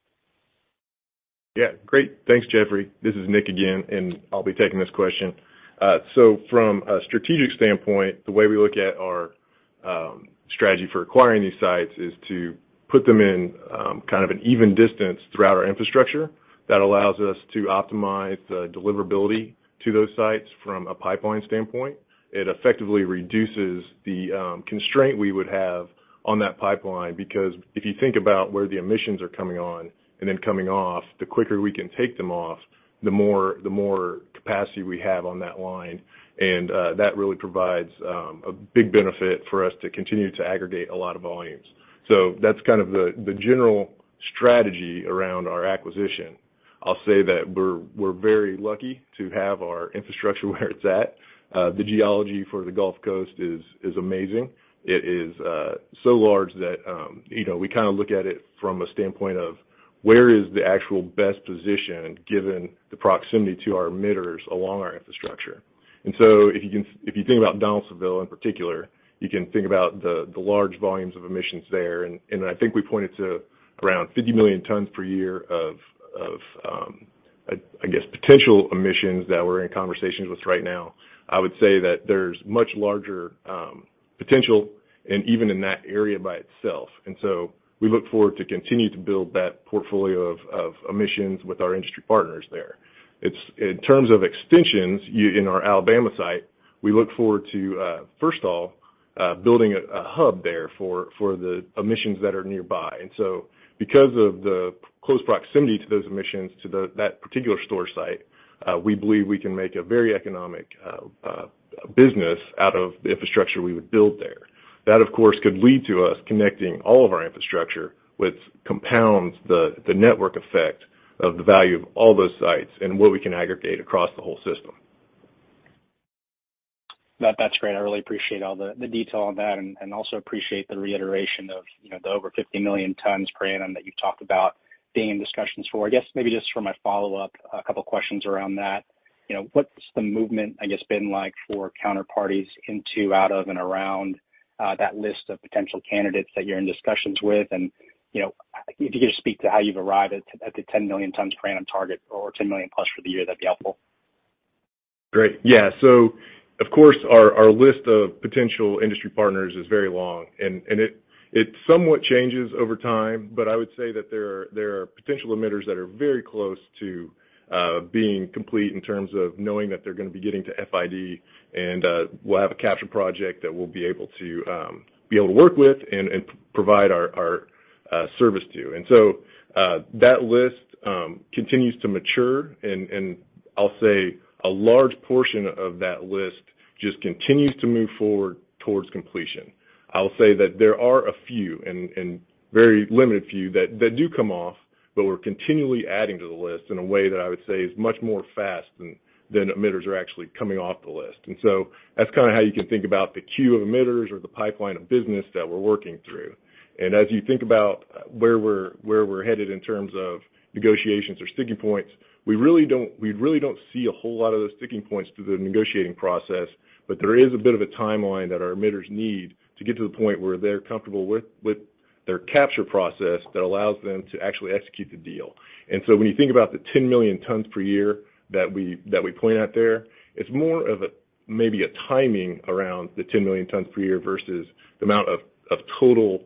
Yeah, great. Thanks, Jeoffrey. This is Nik again, and I'll be taking this question. From a strategic standpoint, the way we look at our strategy for acquiring these sites is to put them in kind of an even distance throughout our infrastructure that allows us to optimize the deliverability to those sites from a pipeline standpoint. It effectively reduces the constraint we would have on that pipeline, because if you think about where the emissions are coming on and then coming off, the quicker we can take them off, the more capacity we have on that line. That really provides a big benefit for us to continue to aggregate a lot of volumes. That's kind of the general strategy around our acquisition. I'll say that we're very lucky to have our infrastructure where it's at. The geology for the Gulf Coast is amazing. It is so large that you know, we kind of look at it from a standpoint of where is the actual best position given the proximity to our emitters along our infrastructure. If you think about Donaldsonville in particular, you can think about the large volumes of emissions there. I think we pointed to around 50 million tons per year of potential emissions that we're in conversations with right now. I would say that there's much larger potential and even in that area by itself. We look forward to continue to build that portfolio of emissions with our industry partners there. In terms of extensions in our Alabama site, we look forward to first of all building a hub there for the emissions that are nearby. Because of the close proximity to those emissions to that particular storage site, we believe we can make a very economic business out of the infrastructure we would build there. That, of course, could lead to us connecting all of our infrastructure, which compounds the network effect of the value of all those sites and what we can aggregate across the whole system. That's great. I really appreciate all the detail on that and also appreciate the reiteration of, you know, the over 50 million tons per annum that you've talked about being in discussions for. I guess maybe just for my follow-up, a couple questions around that. You know, what's the movement, I guess, been like for counterparties into, out of, and around that list of potential candidates that you're in discussions with? You know, if you could just speak to how you've arrived at the 10 million tons per annum target or 10+ million for the year, that'd be helpful. Great. Yeah. Of course, our list of potential industry partners is very long, and it somewhat changes over time. But I would say that there are potential emitters that are very close to being complete in terms of knowing that they're gonna be getting to FID. We'll have a capture project that we'll be able to work with and provide our service to. That list continues to mature and I'll say a large portion of that list just continues to move forward towards completion. I'll say that there are a few and very limited few that do come off, but we're continually adding to the list in a way that I would say is much faster than emitters are actually coming off the list. That's kind of how you can think about the queue of emitters or the pipeline of business that we're working through. As you think about where we're headed in terms of negotiations or sticking points, we really don't see a whole lot of those sticking points through the negotiating process. There is a bit of a timeline that our emitters need to get to the point where they're comfortable with Their capture process that allows them to actually execute the deal. When you think about the 10 million tons per year that we point out there, it's more of a, maybe a timing around the 10 million tons per year versus the amount of total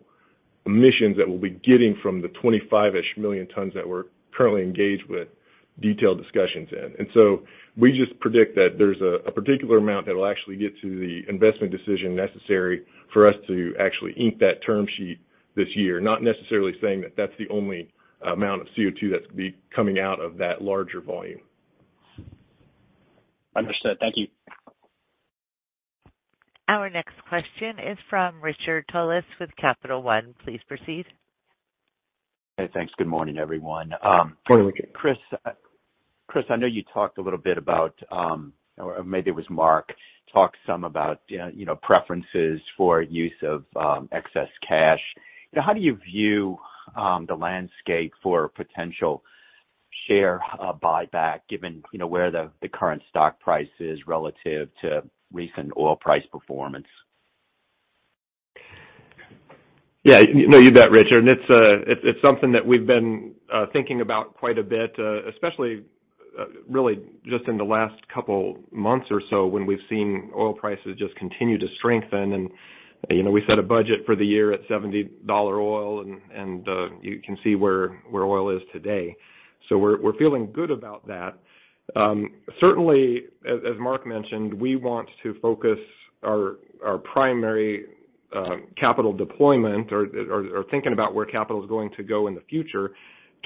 emissions that we'll be getting from the 25-ish million tons that we're currently engaged with detailed discussions in. We just predict that there's a particular amount that will actually get to the investment decision necessary for us to actually ink that term sheet this year, not necessarily saying that that's the only amount of CO2 that's becoming out of that larger volume. Understood. Thank you. Our next question is from Richard Tullis with Capital One. Please proceed. Hey, thanks. Good morning, everyone. Morning, Richard. Chris, I know you talked a little bit about, or maybe it was Mark, talked some about, you know, preferences for use of, excess cash. You know, how do you view the landscape for potential share buyback given, you know, where the current stock price is relative to recent oil price performance? Yeah. No, you bet, Richard. It's something that we've been thinking about quite a bit, especially really just in the last couple months or so when we've seen oil prices just continue to strengthen. You know, we set a budget for the year at $70 oil, and you can see where oil is today. We're feeling good about that. Certainly as Mark mentioned, we want to focus our primary capital deployment or thinking about where capital is going to go in the future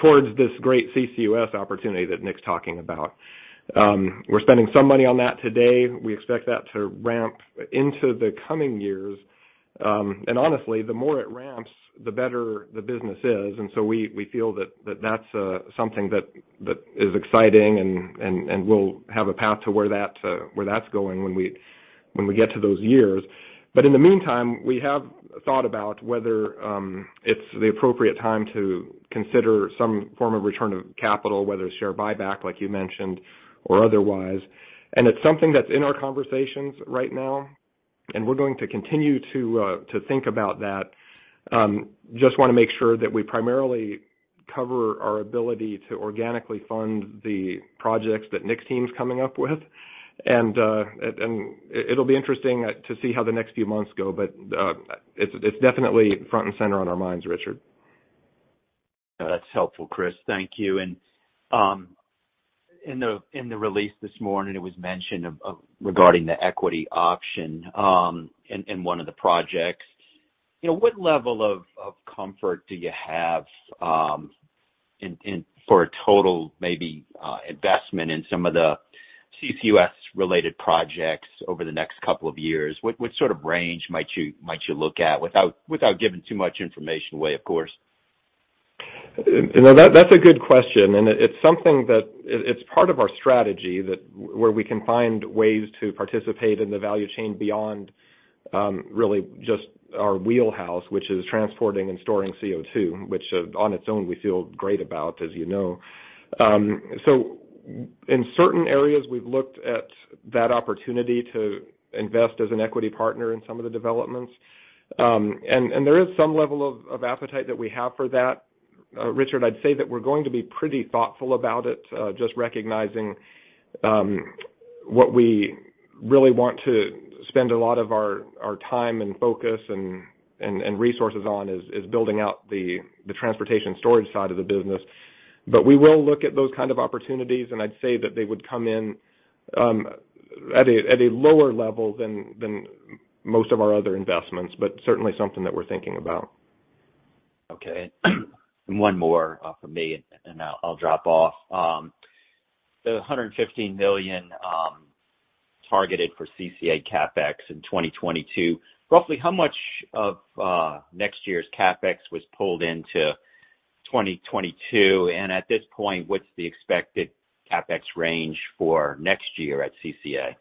towards this great CCUS opportunity that Nik's talking about. We're spending some money on that today. We expect that to ramp into the coming years. Honestly, the more it ramps, the better the business is. We feel that that's something that is exciting and we'll have a path to where that's going when we get to those years. In the meantime, we have thought about whether it's the appropriate time to consider some form of return of capital, whether it's share buyback, like you mentioned, or otherwise. It's something that's in our conversations right now, and we're going to continue to think about that. Just wanna make sure that we primarily cover our ability to organically fund the projects that Nik's team is coming up with. It'll be interesting to see how the next few months go, but it's definitely front and center on our minds, Richard. That's helpful, Chris. Thank you. In the release this morning, it was mentioned regarding the equity option in one of the projects. You know, what level of comfort do you have in for a total maybe investment in some of the CCUS-related projects over the next couple of years? What sort of range might you look at without giving too much information away, of course? You know, that's a good question, and it's something that it's part of our strategy that where we can find ways to participate in the value chain beyond, really just our wheelhouse, which is transporting and storing CO2, which on its own we feel great about, as you know. In certain areas, we've looked at that opportunity to invest as an equity partner in some of the developments. There is some level of appetite that we have for that. Richard, I'd say that we're going to be pretty thoughtful about it, just recognizing what we really want to spend a lot of our time and focus and resources on is building out the transportation storage side of the business. We will look at those kind of opportunities, and I'd say that they would come in at a lower level than most of our other investments, but certainly something that we're thinking about. Okay. One more from me, and then I'll drop off. The $115 million targeted for CCA CapEx in 2022. Roughly how much of next year's CapEx was pulled into 2022? At this point, what's the expected CapEx range for next year at CCA?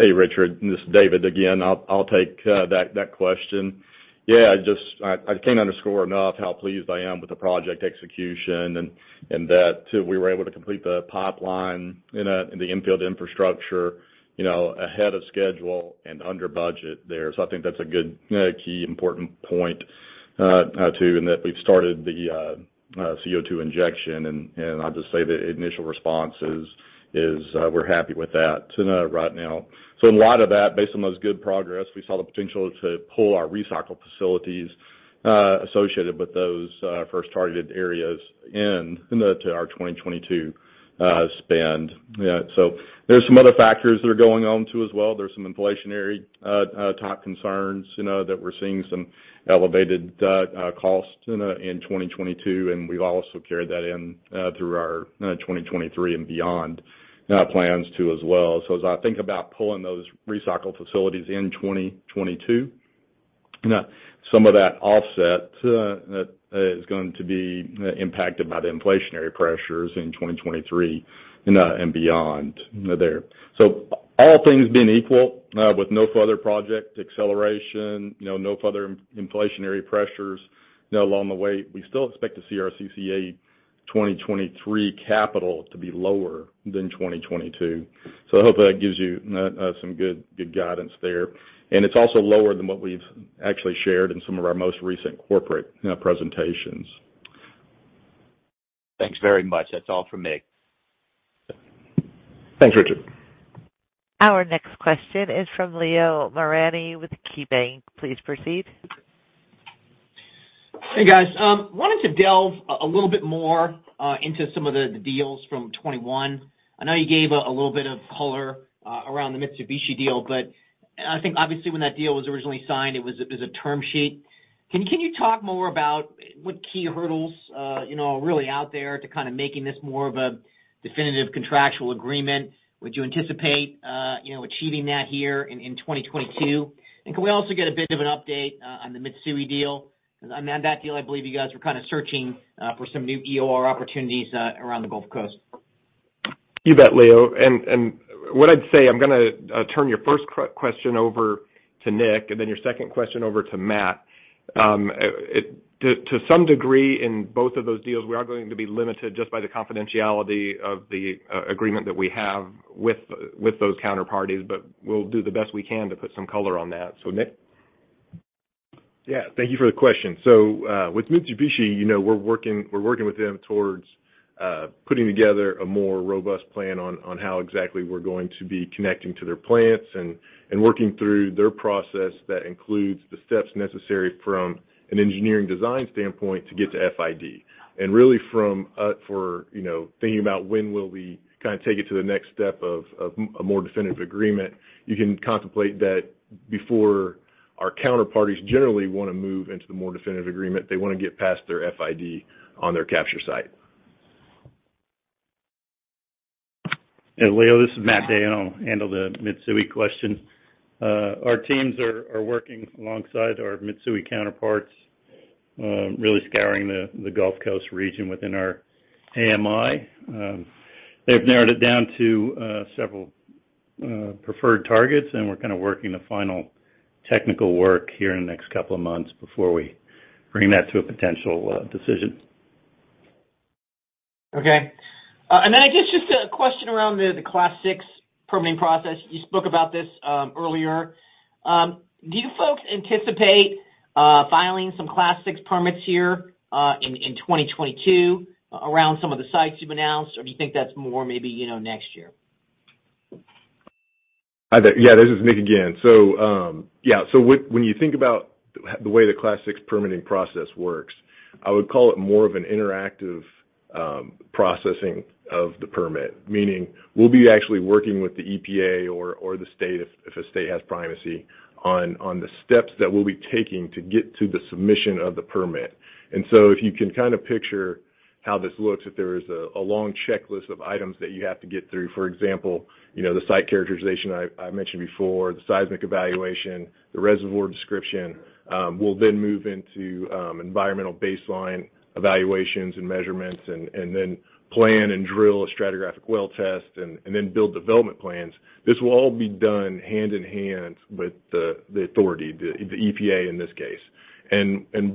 Hey, Richard, this is David again. I'll take that question. Yeah, I just can't underscore enough how pleased I am with the project execution and that, too, we were able to complete the pipeline in the in-field infrastructure, you know, ahead of schedule and under budget there. I think that's a good, key important point, too, and that we've started the CO2 injection. I'll just say the initial response is we're happy with that, you know, right now. In light of that, based on those good progress, we saw the potential to pull our recycle facilities associated with those first targeted areas in, you know, to our 2022 spend. Yeah, there's some other factors that are going on too as well. There's some inflationary top concerns, you know, that we're seeing some elevated costs, you know, in 2022, and we've also carried that in through our 2023 and beyond plans too as well. As I think about pulling those recycle facilities in 2022, you know, some of that offset is going to be impacted by the inflationary pressures in 2023, you know, and beyond there. All things being equal, with no further project acceleration, you know, no further inflationary pressures, you know, along the way, we still expect to see our CCA 2023 capital to be lower than 2022. I hope that gives you some good guidance there. It's also lower than what we've actually shared in some of our most recent corporate presentations. Thanks very much. That's all from me. Thanks, Richard. Our next question is from Leo Mariani with KeyBanc. Please proceed. Hey, guys. Wanted to delve a little bit more into some of the deals from 2021. I know you gave a little bit of color around the Mitsubishi deal, but I think obviously when that deal was originally signed, it was a term sheet. Can you talk more about what key hurdles you know are really out there to kind of making this more of a definitive contractual agreement? Would you anticipate you know achieving that here in 2022? Can we also get a bit of an update on the Mitsui deal? On that deal, I believe you guys were kind of searching for some new EOR opportunities around the Gulf Coast. You bet, Leo. What I'd say, I'm gonna turn your first question over to Nik, and then your second question over to Matt. To some degree, in both of those deals, we are going to be limited just by the confidentiality of the agreement that we have with those counterparties. We'll do the best we can to put some color on that. Nik? Yeah. Thank you for the question. With Mitsubishi, you know, we're working with them towards putting together a more robust plan on how exactly we're going to be connecting to their plants and working through their process that includes the steps necessary from an engineering design standpoint to get to FID. Really, you know, thinking about when will we kind of take it to the next step of a more definitive agreement, you can contemplate that before our counterparties generally wanna move into the more definitive agreement. They wanna get past their FID on their capture site. Yeah, Leo, this is Matt Dahan, and I'll handle the Mitsui question. Our teams are working alongside our Mitsui counterparts, really scouring the Gulf Coast region within our AMI. They've narrowed it down to several preferred targets, and we're kind of working the final technical work here in the next couple of months before we bring that to a potential decision. Okay. And then I guess just a question around the Class VI permitting process. You spoke about this earlier. Do you folks anticipate filing some Class VI permits here in 2022 around some of the sites you've announced, or do you think that's more maybe, you know, next year? Hi there. Yeah, this is Nik again. Yeah. When you think about the way the Class VI permitting process works, I would call it more of an interactive processing of the permit. Meaning, we'll be actually working with the EPA or the state if a state has primacy on the steps that we'll be taking to get to the submission of the permit. If you can kind of picture how this looks, if there is a long checklist of items that you have to get through. For example, you know, the site characterization I mentioned before, the seismic evaluation, the reservoir description, we'll then move into environmental baseline evaluations and measurements and then plan and drill a stratigraphic well test and then build development plans. This will all be done hand in hand with the authority, the EPA in this case.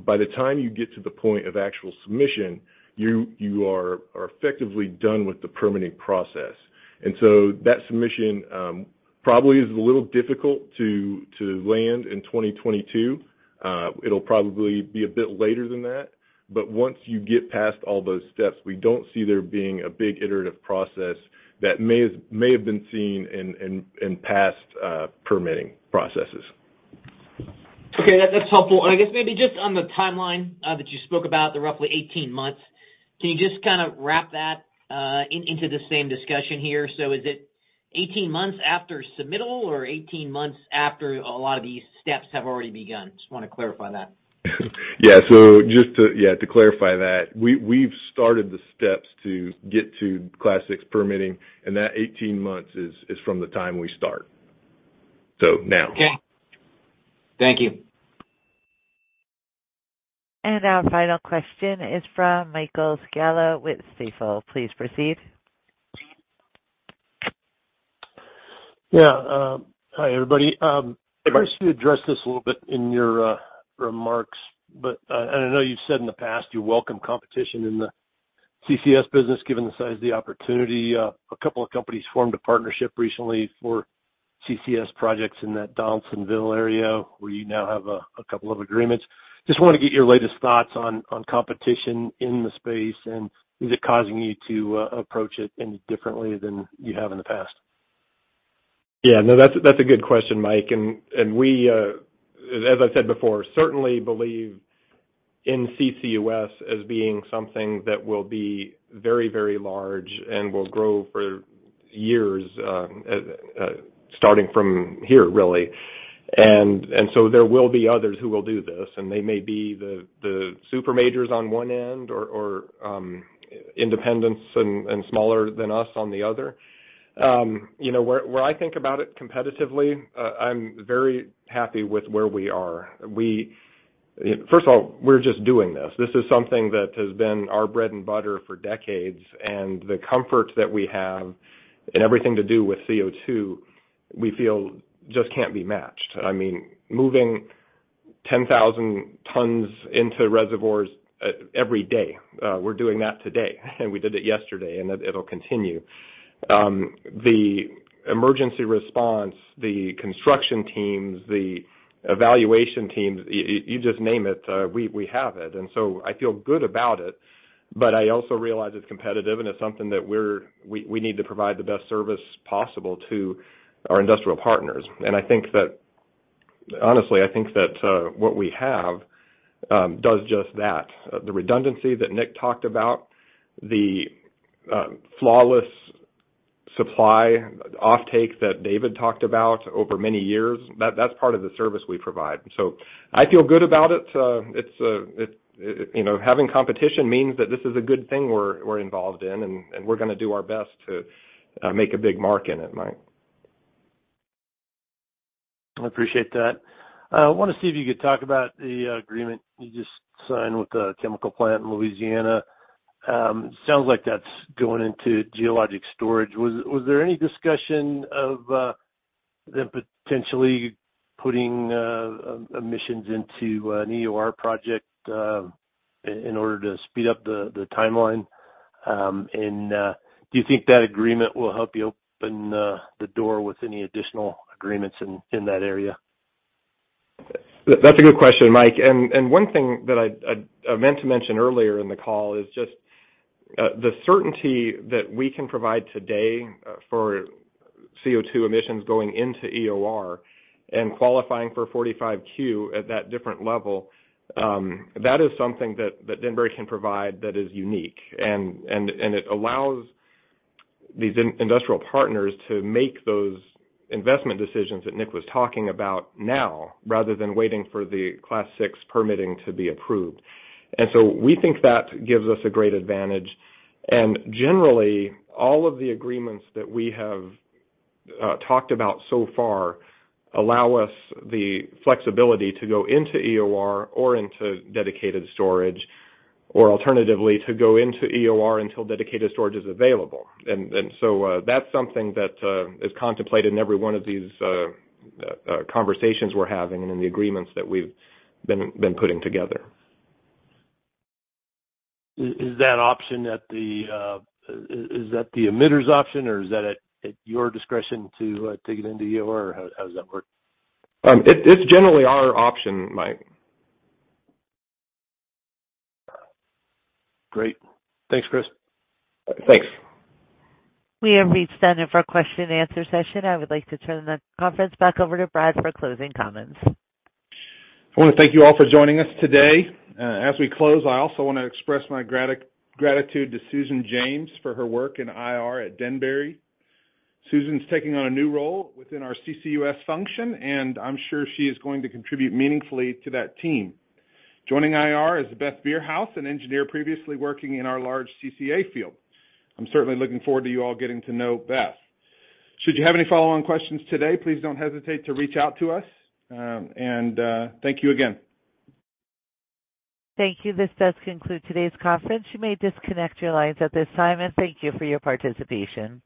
By the time you get to the point of actual submission, you are effectively done with the permitting process. That submission probably is a little difficult to land in 2022. It'll probably be a bit later than that. Once you get past all those steps, we don't see there being a big iterative process that may have been seen in past permitting processes. Okay. That's helpful. I guess maybe just on the timeline that you spoke about, the roughly 18 months, can you just kind of wrap that in into the same discussion here? Is it 18 months after submittal or 18 months after a lot of these steps have already begun? Just wanna clarify that. Yeah. To clarify that, we've started the steps to get to Class VI permitting, and that 18 months is from the time we start. Now. Okay. Thank you. Our final question is from Michael Scialla with Stifel. Please proceed. Yeah. Hi, everybody. Hi, Mike. You addressed this a little bit in your remarks, but I know you've said in the past you welcome competition in the CCS business given the size of the opportunity. A couple of companies formed a partnership recently for CCS projects in that Donaldsonville area, where you now have a couple of agreements. Just wanna get your latest thoughts on competition in the space, and is it causing you to approach it any differently than you have in the past? Yeah. No, that's a good question, Mike. We, as I said before, certainly believe in CCUS as being something that will be very, very large and will grow for years, starting from here really. There will be others who will do this, and they may be the super majors on one end or independents and smaller than us on the other. You know, where I think about it competitively, I'm very happy with where we are. First of all, we're just doing this. This is something that has been our bread and butter for decades, and the comfort that we have in everything to do with CO2, we feel just can't be matched. I mean, moving 10,000 tons into reservoirs every day. We're doing that today, and we did it yesterday, and it'll continue. The emergency response, the construction teams, the evaluation teams, you just name it, we have it. I feel good about it, but I also realize it's competitive, and it's something that we need to provide the best service possible to our industrial partners. I think that, honestly, what we have does just that. The redundancy that Nik talked about, the flawless supply offtake that David talked about over many years, that's part of the service we provide. I feel good about it. It's, you know, having competition means that this is a good thing we're involved in, and we're gonna do our best to make a big mark in it, Mike. I appreciate that. I wanna see if you could talk about the agreement you just signed with a chemical plant in Louisiana. Sounds like that's going into geologic storage. Was there any discussion of them potentially putting emissions into an EOR project in order to speed up the timeline? Do you think that agreement will help you open the door with any additional agreements in that area? That's a good question, Mike. One thing that I meant to mention earlier in the call is just the certainty that we can provide today for CO2 emissions going into EOR and qualifying for 45Q at that different level. That is something that Denbury can provide that is unique. It allows these industrial partners to make those investment decisions that Nik was talking about now, rather than waiting for the Class VI permitting to be approved. We think that gives us a great advantage. Generally, all of the agreements that we have talked about so far allow us the flexibility to go into EOR or into dedicated storage, or alternatively, to go into EOR until dedicated storage is available. That's something that is contemplated in every one of these conversations we're having and in the agreements that we've been putting together. Is that the emitter's option or is that at your discretion to take it into EOR? How does that work? It's generally our option, Mike. Great. Thanks, Chris. Thanks. We have reached the end of our question and answer session. I would like to turn the conference back over to Brad for closing comments. I wanna thank you all for joining us today. As we close, I also wanna express my gratitude to Susan James for her work in IR at Denbury. Susan's taking on a new role within our CCUS function, and I'm sure she is going to contribute meaningfully to that team. Joining IR is Beth Bierhaus, an engineer previously working in our large CCA field. I'm certainly looking forward to you all getting to know Beth. Should you have any follow-on questions today, please don't hesitate to reach out to us. Thank you again. Thank you. This does conclude today's conference. You may disconnect your lines at this time, and thank you for your participation.